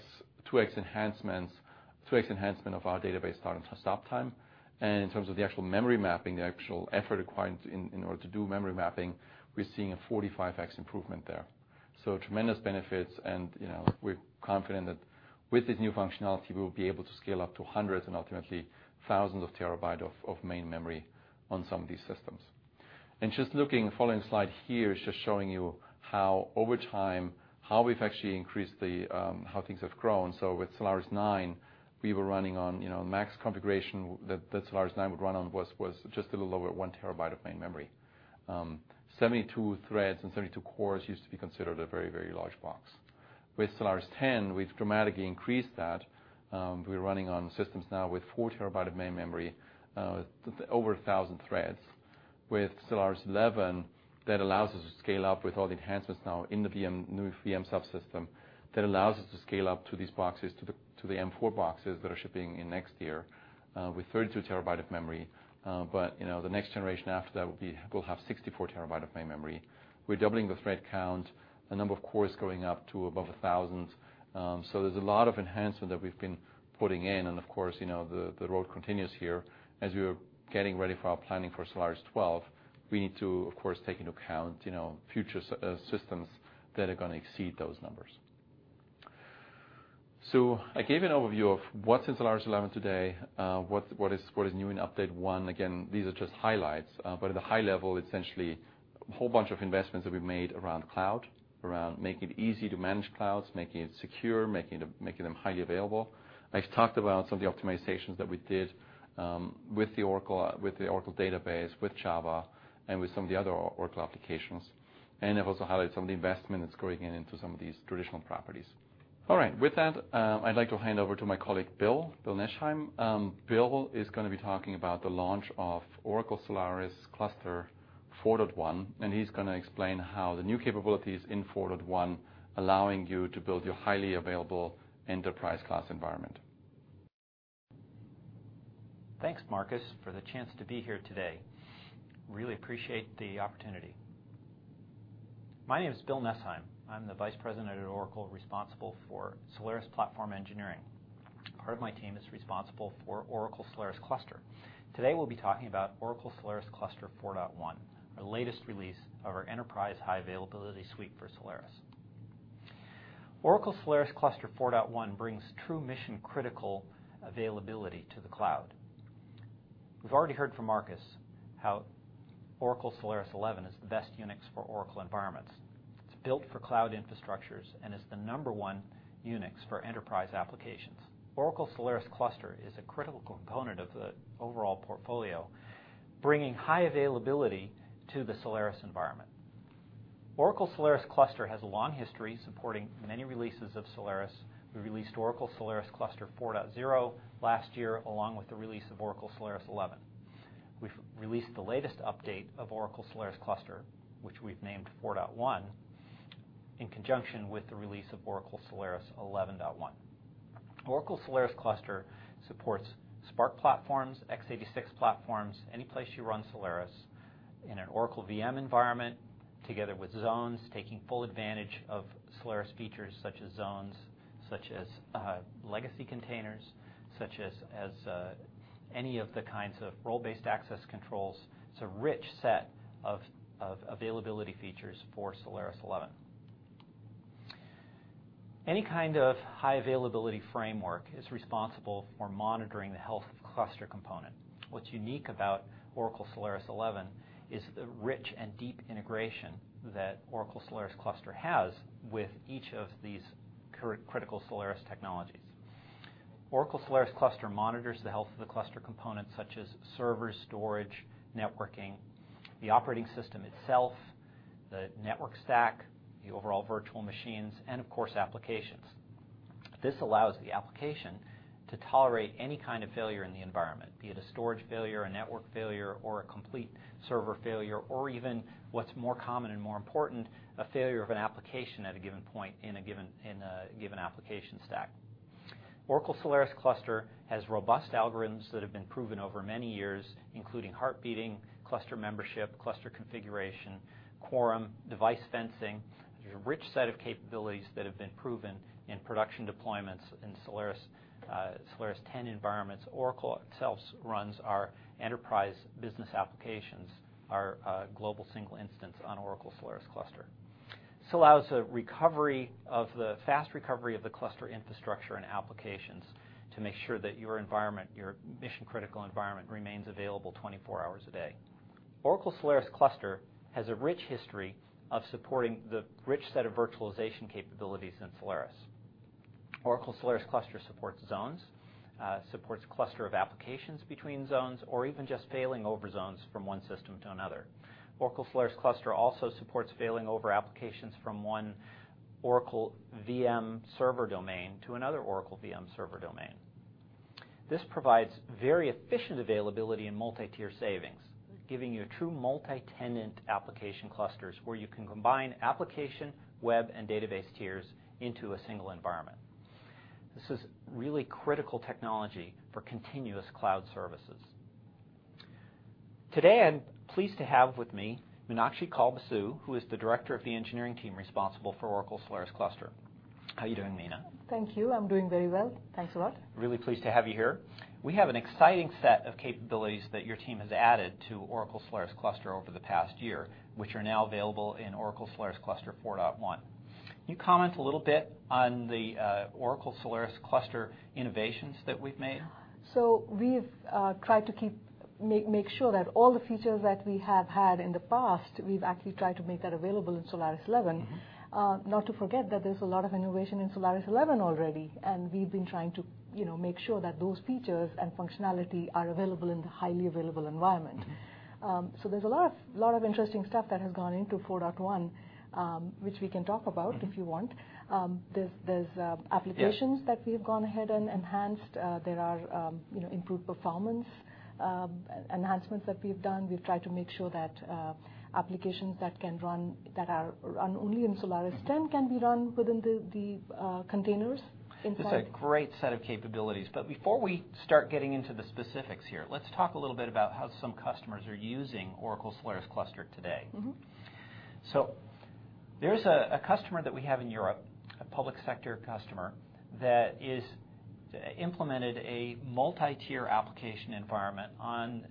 enhancement of our database start and stop time. In terms of the actual memory mapping, the actual effort required in order to do memory mapping, we're seeing a 45x improvement there. Tremendous benefits, and we're confident that with this new functionality, we will be able to scale up to hundreds and ultimately thousands of terabytes of main memory on some of these systems. Just looking, the following slide here is just showing you how over time, how things have grown. With Solaris 9, the max configuration that Solaris 9 would run on was just a little over one terabyte of main memory. 72 threads and 72 cores used to be considered a very, very large box. With Solaris 10, we've dramatically increased that. We're running on systems now with 4 terabyte of main memory, over 1,000 threads. With Oracle Solaris 11, that allows us to scale up with all the enhancements now in the new VM subsystem. That allows us to scale up to these boxes, to the M4 boxes that are shipping in next year, with 32 terabyte of memory. The next generation after that will have 64 terabyte of main memory. We're doubling the thread count. The number of cores going up to above 1,000. There's a lot of enhancement that we've been putting in, and of course, the road continues here. As we are getting ready for our planning for Oracle Solaris 12, we need to, of course, take into account future systems that are going to exceed those numbers. I gave you an overview of what's in Oracle Solaris 11 today, what is new in update one. Again, these are just highlights. At a high level, essentially, whole bunch of investments that we've made around cloud, around making it easy to manage clouds, making it secure, making them highly available. I've talked about some of the optimizations that we did with the Oracle Database, with Java, and with some of the other Oracle applications. I've also highlighted some of the investment that's going into some of these traditional properties. All right. With that, I'd like to hand over to my colleague, Bill Nesheim. Bill is going to be talking about the launch of Oracle Solaris Cluster 4.1, and he's going to explain how the new capabilities in 4.1 allowing you to build your highly available enterprise class environment. Thanks, Markus, for the chance to be here today. Really appreciate the opportunity. My name is Bill Nesheim. I'm the vice president at Oracle responsible for Oracle Solaris platform engineering. Part of my team is responsible for Oracle Solaris Cluster. Today, we'll be talking about Oracle Solaris Cluster 4.1, our latest release of our enterprise high availability suite for Oracle Solaris. Oracle Solaris Cluster 4.1 brings true mission-critical availability to the cloud. We've already heard from Markus how Oracle Solaris 11 is the best Unix for Oracle environments. It's built for cloud infrastructures and is the number one Unix for enterprise applications. Oracle Solaris Cluster is a critical component of the overall portfolio, bringing high availability to the Oracle Solaris environment. Oracle Solaris Cluster has a long history supporting many releases of Oracle Solaris. We released Oracle Solaris Cluster 4.0 last year along with the release of Oracle Solaris 11. We've released the latest update of Oracle Solaris Cluster, which we've named 4.1, in conjunction with the release of Oracle Solaris 11.1. Oracle Solaris Cluster supports SPARC platforms, X86 platforms, any place you run Oracle Solaris in an Oracle VM environment, together with zones, taking full advantage of Oracle Solaris features such as zones, such as legacy containers, such as any of the kinds of role-based access controls. It's a rich set of availability features for Oracle Solaris 11. Any kind of high availability framework is responsible for monitoring the health of cluster component. What's unique about Oracle Solaris 11 is the rich and deep integration that Oracle Solaris Cluster has with each of these critical Oracle Solaris technologies. Oracle Solaris Cluster monitors the health of the cluster components such as servers, storage, networking, the operating system itself, the network stack, the overall virtual machines, and of course, applications. This allows the application to tolerate any kind of failure in the environment, be it a storage failure, a network failure, or a complete server failure, or even what's more common and more important, a failure of an application at a given point in a given application stack. Oracle Solaris Cluster has robust algorithms that have been proven over many years, including heart beating, cluster membership, cluster configuration, quorum, device fencing. There's a rich set of capabilities that have been proven in production deployments in Solaris 10 environments. Oracle itself runs our enterprise business applications, our global single instance on Oracle Solaris Cluster. This allows a recovery of the fast recovery of the cluster infrastructure and applications to make sure that your mission-critical environment remains available 24 hours a day. Oracle Solaris Cluster has a rich history of supporting the rich set of virtualization capabilities in Solaris. Oracle Solaris Cluster supports zones, supports cluster of applications between zones, or even just failing over zones from one system to another. Oracle Solaris Cluster also supports failing over applications from one Oracle VM server domain to another Oracle VM server domain. This provides very efficient availability and multi-tier savings, giving you true multi-tenant application clusters where you can combine application, web, and database tiers into a single environment. This is really critical technology for continuous cloud services. Today, I'm pleased to have with me Meenakshi Kaul-Basu, who is the director of the engineering team responsible for Oracle Solaris Cluster. How are you doing, Meena? Thank you. I'm doing very well. Thanks a lot. Really pleased to have you here. We have an exciting set of capabilities that your team has added to Oracle Solaris Cluster over the past year, which are now available in Oracle Solaris Cluster 4.1. Can you comment a little bit on the Oracle Solaris Cluster innovations that we've made? We've tried to make sure that all the features that we have had in the past, we've actually tried to make that available in Oracle Solaris 11. Not to forget that there's a lot of innovation in Oracle Solaris 11 already, and we've been trying to make sure that those features and functionality are available in the highly available environment. There's a lot of interesting stuff that has gone into Oracle Solaris Cluster 4.1, which we can talk about if you want. Yeah that we've gone ahead and enhanced. There are improved performance enhancements that we've done. We've tried to make sure that applications that can run only in Solaris 10 can be run within the containers inside. It's a great set of capabilities, but before we start getting into the specifics here, let's talk a little bit about how some customers are using Oracle Solaris Cluster today. There's a customer that we have in Europe, a public sector customer, that has implemented a multi-tier application environment on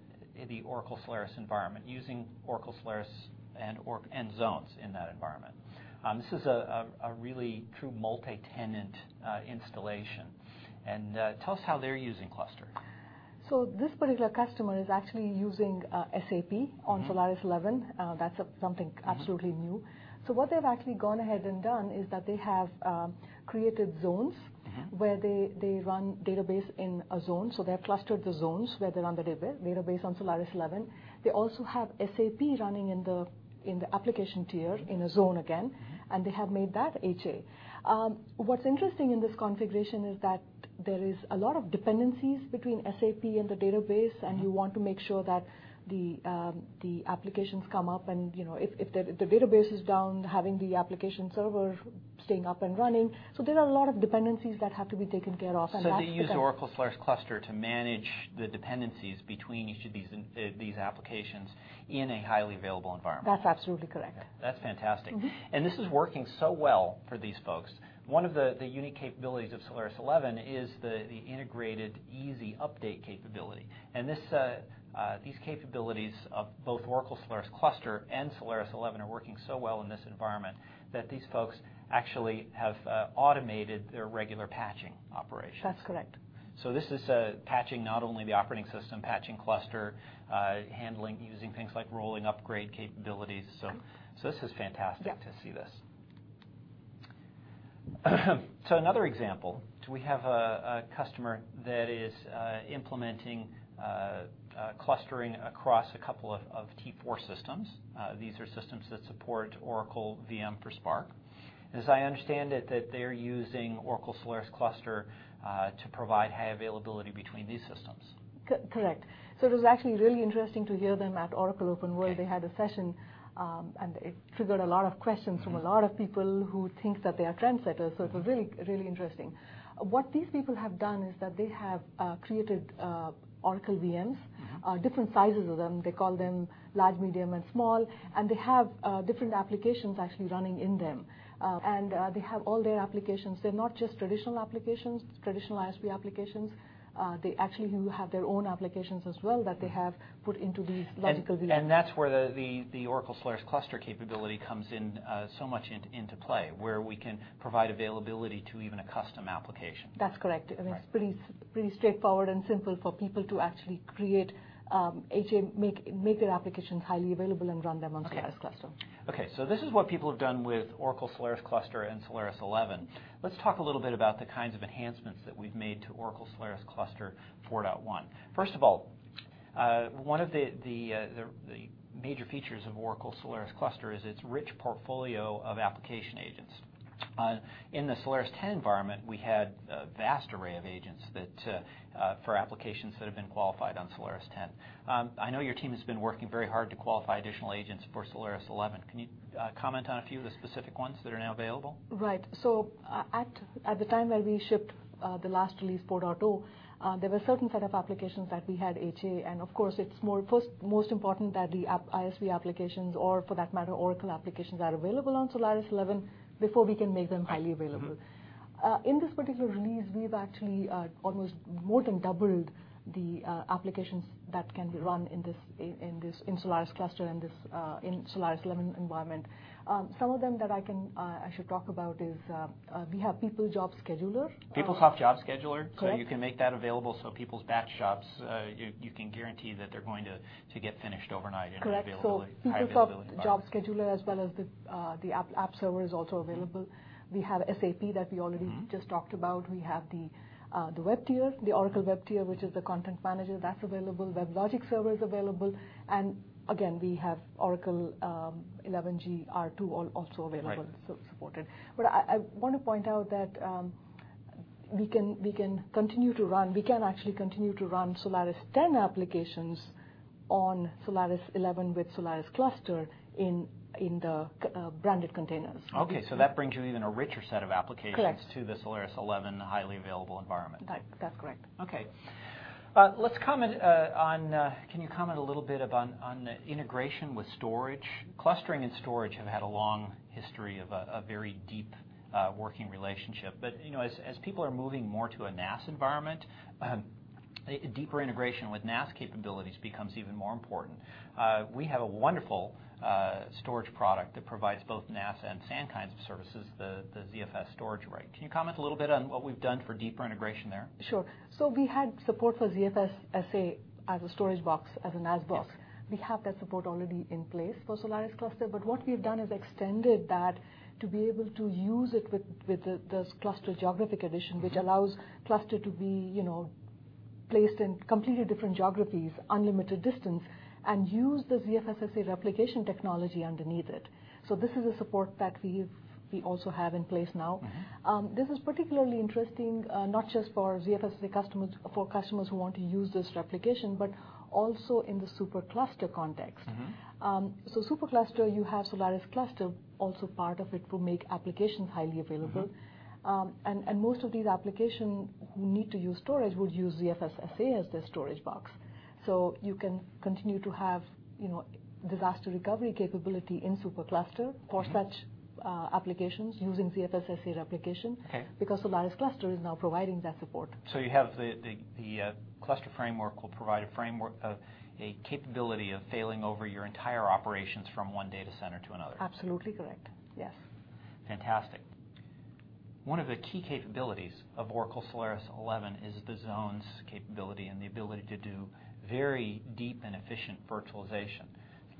the Oracle Solaris environment using Oracle Solaris and zones in that environment. This is a really true multi-tenant installation. Tell us how they're using Cluster. This particular customer is actually using SAP on Solaris 11. That's something absolutely new. What they've actually gone ahead and done is that they have created zones where they run database in a zone. They have clustered the zones where they run the database on Solaris 11. They also have SAP running in the application tier in a zone again, and they have made that HA. What's interesting in this configuration is that there is a lot of dependencies between SAP and the database, and you want to make sure that the applications come up, and if the database is down, having the application server staying up and running. There are a lot of dependencies that have to be taken care of. They use Oracle Solaris Cluster to manage the dependencies between each of these applications in a highly available environment. That's absolutely correct. That's fantastic. This is working so well for these folks. One of the unique capabilities of Oracle Solaris 11 is the integrated easy update capability. These capabilities of both Oracle Solaris Cluster and Oracle Solaris 11 are working so well in this environment that these folks actually have automated their regular patching operations. That's correct. This is patching not only the operating system, patching Cluster, handling, using things like rolling upgrade capabilities. This is fantastic. Yeah To see this. Another example, we have a customer that is implementing clustering across a couple of T4 systems. These are systems that support Oracle VM Server for SPARC. As I understand it, that they're using Oracle Solaris Cluster to provide high availability between these systems. Correct. It was actually really interesting to hear them at Oracle OpenWorld. They had a session, it triggered a lot of questions from a lot of people who think that they are trendsetters, it's really interesting. These people have done is that they have created Oracle VMs- different sizes of them. They call them large, medium, and small, they have different applications actually running in them. They have all their applications. They're not just traditional applications, traditional ISV applications. They actually have their own applications as well that they have put into these logical VMs. That's where the Oracle Solaris Cluster capability comes so much into play, where we can provide availability to even a custom application. That's correct. I mean, it's pretty straightforward and simple for people to actually create HA, make their applications highly available, and run them on Solaris Cluster. Okay, this is what people have done with Oracle Solaris Cluster and Solaris 11. Let's talk a little bit about the kinds of enhancements that we've made to Oracle Solaris Cluster 4.1. First of all, one of the major features of Oracle Solaris Cluster is its rich portfolio of application agents. In the Solaris 10 environment, we had a vast array of agents for applications that have been qualified on Solaris 10. I know your team has been working very hard to qualify additional agents for Solaris 11. Can you comment on a few of the specific ones that are now available? Right. At the time where we shipped the last release, 4.0, there were a certain set of applications that we had HA, and of course, it's most important that the ISV applications, or for that matter, Oracle applications, are available on Solaris 11 Before we can make them highly available. In this particular release, we've actually almost more than doubled the applications that can be run in this Solaris Cluster, in this Solaris 11 environment. Some of them that I should talk about is we have PeopleSoft Scheduler. PeopleSoft Process Scheduler. Correct. You can make that available so people's batch jobs, you can guarantee that they're going to get finished overnight. Correct available in a highly available environment. PeopleSoft Process Scheduler, as well as the app server is also available. We have SAP that we already. just talked about. We have the Oracle Web Tier, which is the content manager. That's available. WebLogic Server is available. Again, we have Oracle 11g R2 also available. Right supported. I want to point out that we can actually continue to run Solaris 10 applications on Solaris 11 with Solaris Cluster in the branded containers. Okay, that brings you even a richer set of applications. Correct to the Solaris 11 highly available environment. That's correct. Can you comment a little bit on the integration with storage? Clustering and storage have had a long history of a very deep working relationship. As people are moving more to a NAS environment, a deeper integration with NAS capabilities becomes even more important. We have a wonderful storage product that provides both NAS and SAN kinds of services, the ZFS Storage Appliance. Can you comment a little bit on what we've done for deeper integration there? Sure. We had support for ZFS-SA as a storage box, as a NAS box. Yes. We have that support already in place for Solaris Cluster, what we've done is extended that to be able to use it with this cluster geographic edition, which allows cluster to be placed in completely different geographies, unlimited distance, and use the ZFS-SA replication technology underneath it. This is a support that we also have in place now. This is particularly interesting, not just for ZFS customers, for customers who want to use this replication, but also in the SuperCluster context. SuperCluster, you have Solaris Cluster also part of it to make applications highly available. Most of these application who need to use storage would use ZFS-SA as their storage box. You can continue to have disaster recovery capability in SuperCluster for such applications using ZFS-SA replication. Okay Solaris Cluster is now providing that support. You have the cluster framework will provide a capability of failing over your entire operations from one data center to another. Absolutely correct. Yes. Fantastic. One of the key capabilities of Oracle Solaris 11 is the Zones capability and the ability to do very deep and efficient virtualization.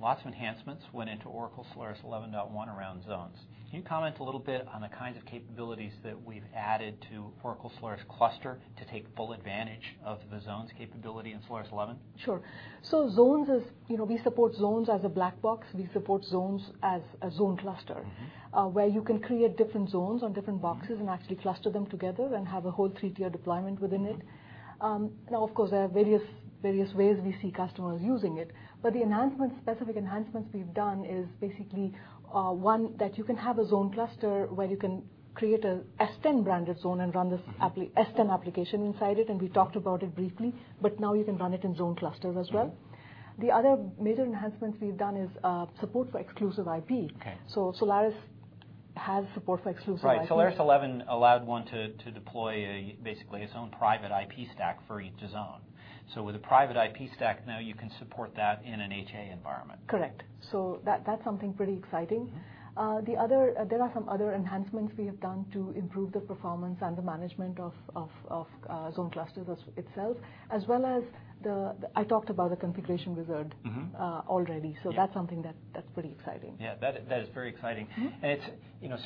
Lots of enhancements went into Oracle Solaris 11.1 around Zones. Can you comment a little bit on the kinds of capabilities that we've added to Oracle Solaris Cluster to take full advantage of the Zones capability in Solaris 11? Sure. We support Zones as a black box. We support Zones as a zone cluster. where you can create different zones on different boxes and actually cluster them together and have a whole 3-tier deployment within it. Of course, there are various ways we see customers using it, but the specific enhancements we've done is basically, one, that you can have a zone cluster where you can create a strong branded zone and run S10 application inside it. We talked about it briefly. Now you can run it in zone clusters as well. The other major enhancements we've done is support for exclusive IP. Okay. Solaris has support for exclusive IP. Right. Solaris 11 allowed one to deploy basically its own private IP stack for each zone. With a private IP stack, now you can support that in an HA environment. Correct. That's something pretty exciting. There are some other enhancements we have done to improve the performance and the management of zone clusters itself, as well as I talked about the Configuration Wizard. already. That's something that's pretty exciting. Yeah, that is very exciting.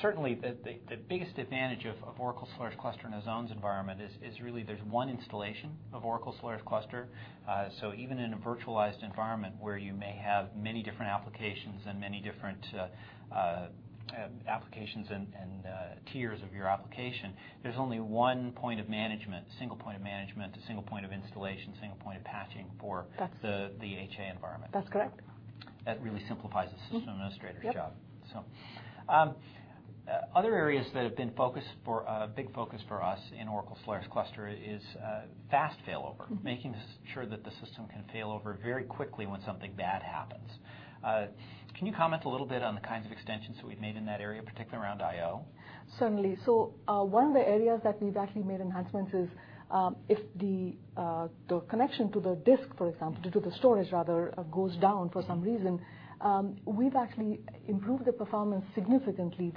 Certainly, the biggest advantage of Oracle Solaris Cluster in a Zones environment is really there's one installation of Oracle Solaris Cluster. Even in a virtualized environment where you may have many different applications and tiers of your application, there's only one point of management, single point of management, a single point of installation, single point of patching for- That's- the HA environment. That's correct. That really simplifies the system administrator's job. Yep. Other areas that have been a big focus for us in Oracle Solaris Cluster is fast failover. Making sure that the system can failover very quickly when something bad happens, can you comment a little bit on the kinds of extensions that we've made in that area, particularly around I/O? Certainly. One of the areas that we've actually made enhancements is if the connection to the disk, for example, to the storage rather, goes down for some reason, we've actually improved the performance significantly,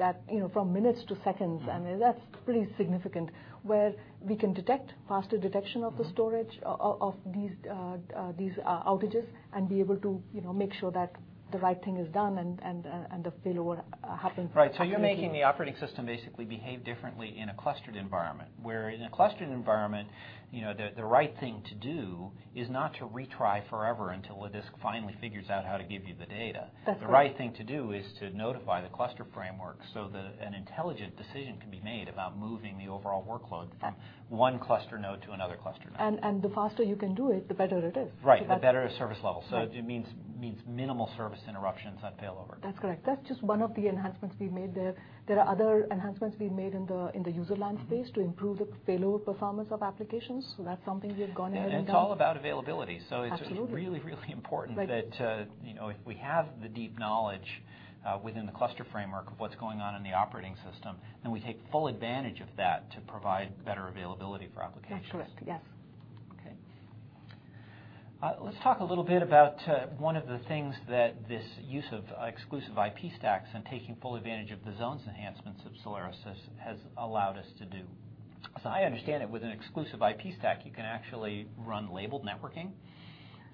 from minutes to seconds. That's pretty significant, where we can detect faster detection of the storage of these outages and be able to make sure that the right thing is done and the failover happens accurately. Right. You're making the operating system basically behave differently in a clustered environment, where in a clustered environment, the right thing to do is not to retry forever until the disk finally figures out how to give you the data. That's correct. The right thing to do is to notify the cluster framework so that an intelligent decision can be made about moving the overall workload. Yes from one cluster node to another cluster node. The faster you can do it, the better it is. Right. The better the service level. Right. It means minimal service interruptions on failover. That's correct. That's just one of the enhancements we've made there. There are other enhancements we've made in the user land space. to improve the failover performance of applications. That's something we've gone ahead and done. It's all about availability. Absolutely. It's really important. Right if we have the deep knowledge within the cluster framework of what's going on in the operating system, we take full advantage of that to provide better availability for applications. That's correct. Yes. Let's talk a little bit about one of the things that this use of exclusive IP stacks and taking full advantage of the Zones enhancements of Solaris has allowed us to do. I understand it, with an exclusive IP stack, you can actually run labeled networking.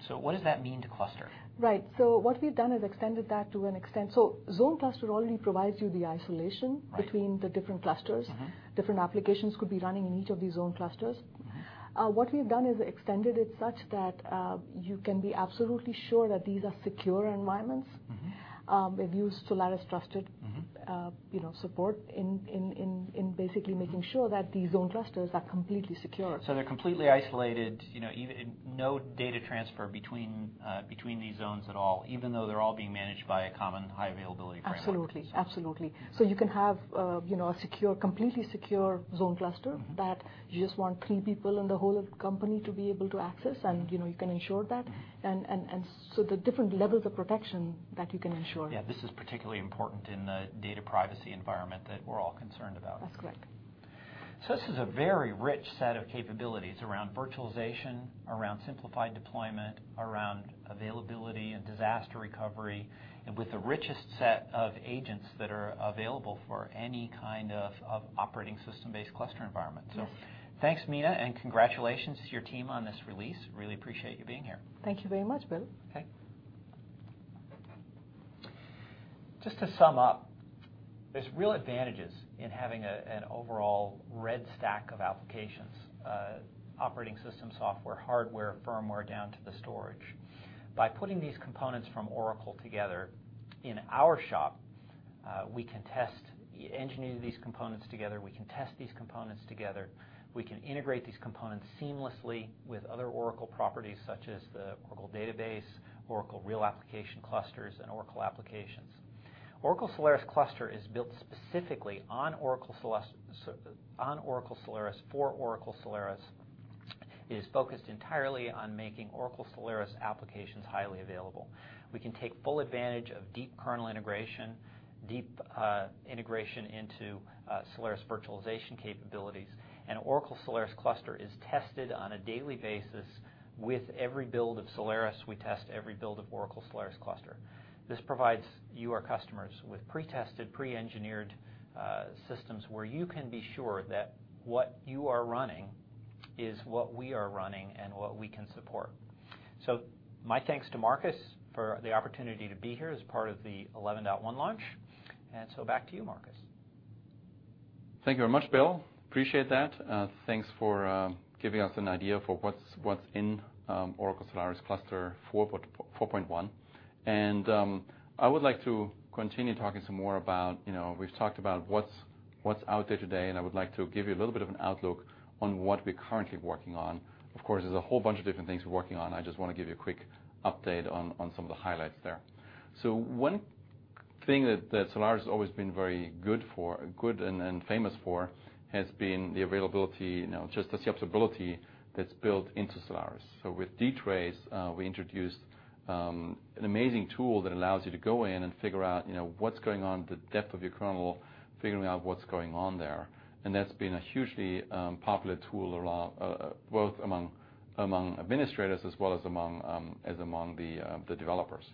What does that mean to Cluster? Right. What we've done is extended that to an extent. Zone Cluster already provides you the isolation- Right between the different clusters. Different applications could be running in each of these zone clusters. We've done is extended it such that you can be absolutely sure that these are secure environments. We've used Solaris Trusted- support in basically making sure that these zone clusters are completely secure. They're completely isolated, no data transfer between these zones at all, even though they're all being managed by a common high availability framework. Absolutely. You can have a completely secure zone cluster- that you just want three people in the whole of the company to be able to access, and you can ensure that. The different levels of protection that you can ensure. Yeah. This is particularly important in the data privacy environment that we're all concerned about. That's correct. This is a very rich set of capabilities around virtualization, around simplified deployment, around availability and disaster recovery, and with the richest set of agents that are available for any kind of operating system-based cluster environment. Yes. Thanks, Meena, and congratulations to your team on this release. Really appreciate you being here. Thank you very much, Bill. Okay. Just to sum up, there's real advantages in having an overall red stack of applications, operating system software, hardware, firmware, down to the storage. By putting these components from Oracle together in our shop, we can engineer these components together, we can test these components together, we can integrate these components seamlessly with other Oracle properties such as the Oracle Database, Oracle Real Application Clusters, and Oracle applications. Oracle Solaris Cluster is built specifically on Oracle Solaris, for Oracle Solaris. It is focused entirely on making Oracle Solaris applications highly available. We can take full advantage of deep kernel integration, deep integration into Solaris virtualization capabilities. Oracle Solaris Cluster is tested on a daily basis. With every build of Solaris, we test every build of Oracle Solaris Cluster. This provides you, our customers, with pre-tested, pre-engineered systems where you can be sure that what you are running is what we are running and what we can support. My thanks to Markus for the opportunity to be here as part of the 11.1 launch. Back to you, Markus. Thank you very much, Bill. Appreciate that. Thanks for giving us an idea for what's in Oracle Solaris Cluster 4.1. I would like to continue talking some more about, we've talked about what's out there today, and I would like to give you a little bit of an outlook on what we're currently working on. Of course, there's a whole bunch of different things we're working on. I just want to give you a quick update on some of the highlights there. One thing that Solaris has always been very good and famous for has been the availability, just the observability that's built into Solaris. With DTrace, we introduced an amazing tool that allows you to go in and figure out what's going on, the depth of your kernel, figuring out what's going on there. That's been a hugely popular tool around, both among administrators as well as among the developers.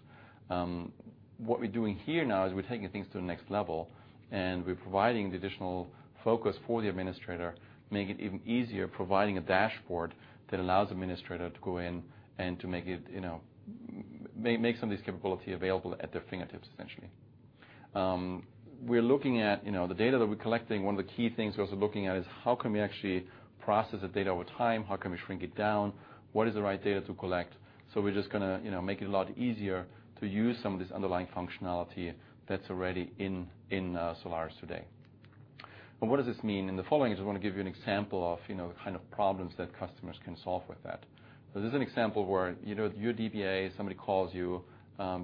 What we're doing here now is we're taking things to the next level, and we're providing the additional focus for the administrator, making it even easier, providing a dashboard that allows administrator to go in and to make some of these capability available at their fingertips, essentially. We're looking at the data that we're collecting. One of the key things we're also looking at is how can we actually process the data over time? How can we shrink it down? What is the right data to collect? We're just going to make it a lot easier to use some of this underlying functionality that's already in Oracle Solaris today. What does this mean? In the following, is we want to give you an example of the kind of problems that customers can solve with that. This is an example where you're a DBA, somebody calls you,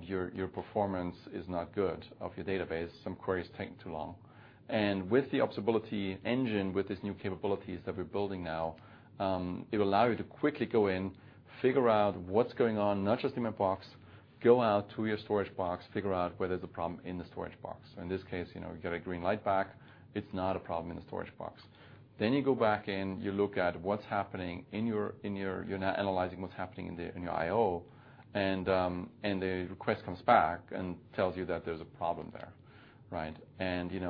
your performance is not good of your database. Some queries are taking too long. With the observability engine, with these new capabilities that we're building now, it will allow you to quickly go in, figure out what's going on, not just in my box, go out to your storage box, figure out whether there's a problem in the storage box. In this case, we get a green light back. It's not a problem in the storage box. You go back in, you're now analyzing what's happening in your I/O, and the request comes back and tells you that there's a problem there. Right?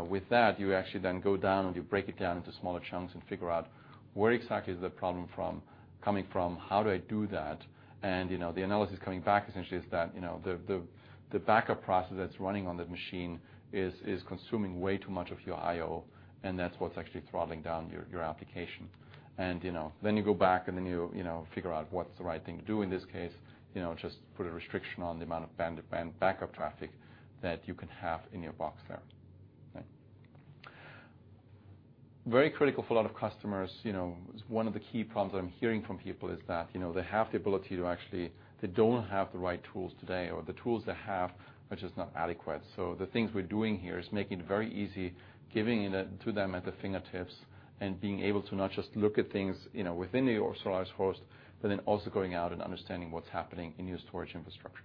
With that, you actually then go down and you break it down into smaller chunks and figure out where exactly is the problem coming from? How do I do that? The analysis coming back essentially is that the backup process that's running on the machine is consuming way too much of your I/O, and that's what's actually throttling down your application. You go back, you figure out what's the right thing to do in this case. Just put a restriction on the amount of backup traffic that you can have in your box there. Very critical for a lot of customers. One of the key problems I'm hearing from people is that they don't have the right tools today, or the tools they have are just not adequate. The things we're doing here is making it very easy, giving it to them at the fingertips, and being able to not just look at things within your Oracle Solaris host, but then also going out and understanding what's happening in your storage infrastructure.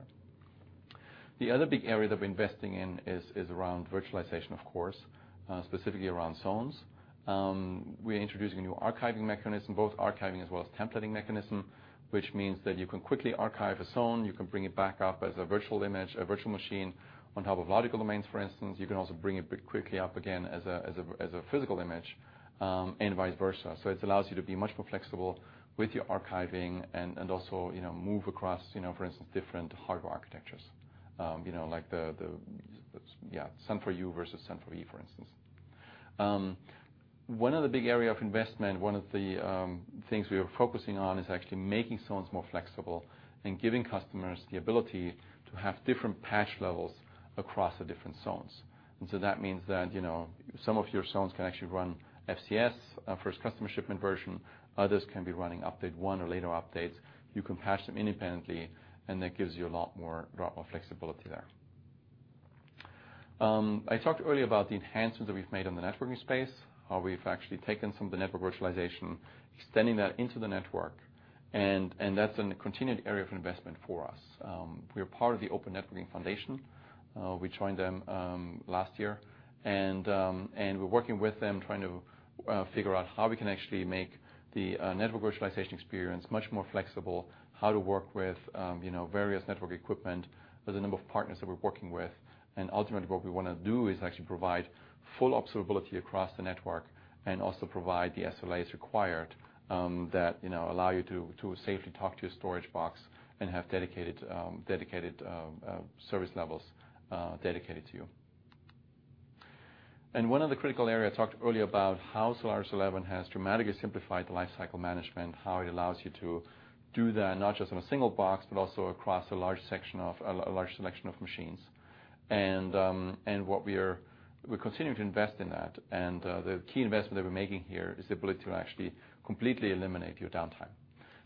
The other big area that we're investing in is around virtualization, of course, specifically around zones. We're introducing a new archiving mechanism, both archiving as well as templating mechanism, which means that you can quickly archive a zone, you can bring it back up as a virtual image, a virtual machine on top of logical domains, for instance. You can also bring it quickly up again as a physical image, and vice versa. It allows you to be much more flexible with your archiving and also move across, for instance, different hardware architectures like the Sun-4u versus Sun-4v, for instance. One other big area of investment, one of the things we are focusing on, is actually making zones more flexible and giving customers the ability to have different patch levels across the different zones. That means that some of your zones can actually run FCS, first customer shipment version, others can be running update 1 or later updates. You can patch them independently, that gives you a lot more flexibility there. I talked earlier about the enhancements that we've made on the networking space, how we've actually taken some of the network virtualization, extending that into the network, that's a continued area of investment for us. We are part of the Open Networking Foundation. We joined them last year, we're working with them, trying to figure out how we can actually make the network virtualization experience much more flexible, how to work with various network equipment with a number of partners that we're working with. Ultimately, what we want to do is actually provide full observability across the network and also provide the SLAs required that allow you to safely talk to your storage box and have dedicated service levels dedicated to you. One other critical area I talked earlier about how Oracle Solaris 11 has dramatically simplified the lifecycle management, how it allows you to do that not just on a single box, but also across a large selection of machines. We're continuing to invest in that. The key investment that we're making here is the ability to actually completely eliminate your downtime.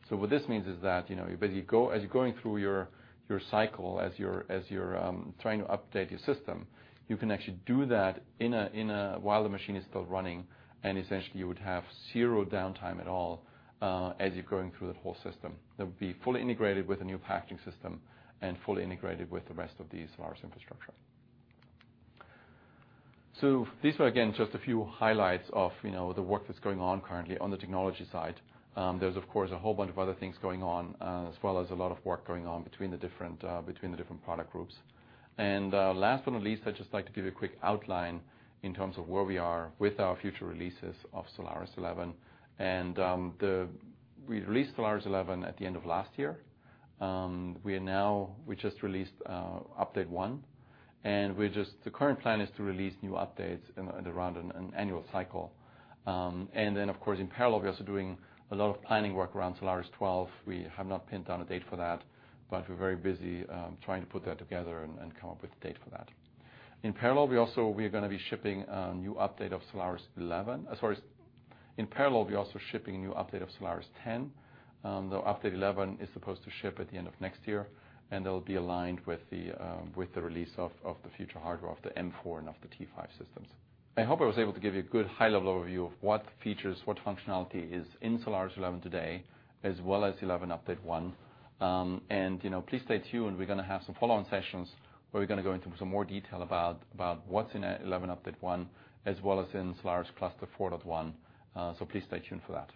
What this means is that as you're going through your cycle, as you're trying to update your system, you can actually do that while the machine is still running, and essentially you would have zero downtime at all as you're going through the whole system. That would be fully integrated with the new packaging system and fully integrated with the rest of the Oracle Solaris infrastructure. These were, again, just a few highlights of the work that's going on currently on the technology side. There's, of course, a whole bunch of other things going on, as well as a lot of work going on between the different product groups. Last but not least, I'd just like to give you a quick outline in terms of where we are with our future releases of Oracle Solaris 11. We released Oracle Solaris 11 at the end of last year. We just released update 1, the current plan is to release new updates around an annual cycle. In parallel, we are also doing a lot of planning work around Oracle Solaris 12. We have not pinned down a date for that, we're very busy trying to put that together and come up with a date for that. In parallel, we're also shipping a new update of Oracle Solaris 10, though update 11 is supposed to ship at the end of next year, and that will be aligned with the release of the future hardware of the M4 and of the T5 systems. I hope I was able to give you a good high-level overview of what features, what functionality is in Oracle Solaris 11 today, as well as 11 update 1. Please stay tuned. We're going to have some follow-on sessions where we're going to go into some more detail about what's in Solaris 11.1, as well as in Solaris Cluster 4.1, so please stay tuned for that.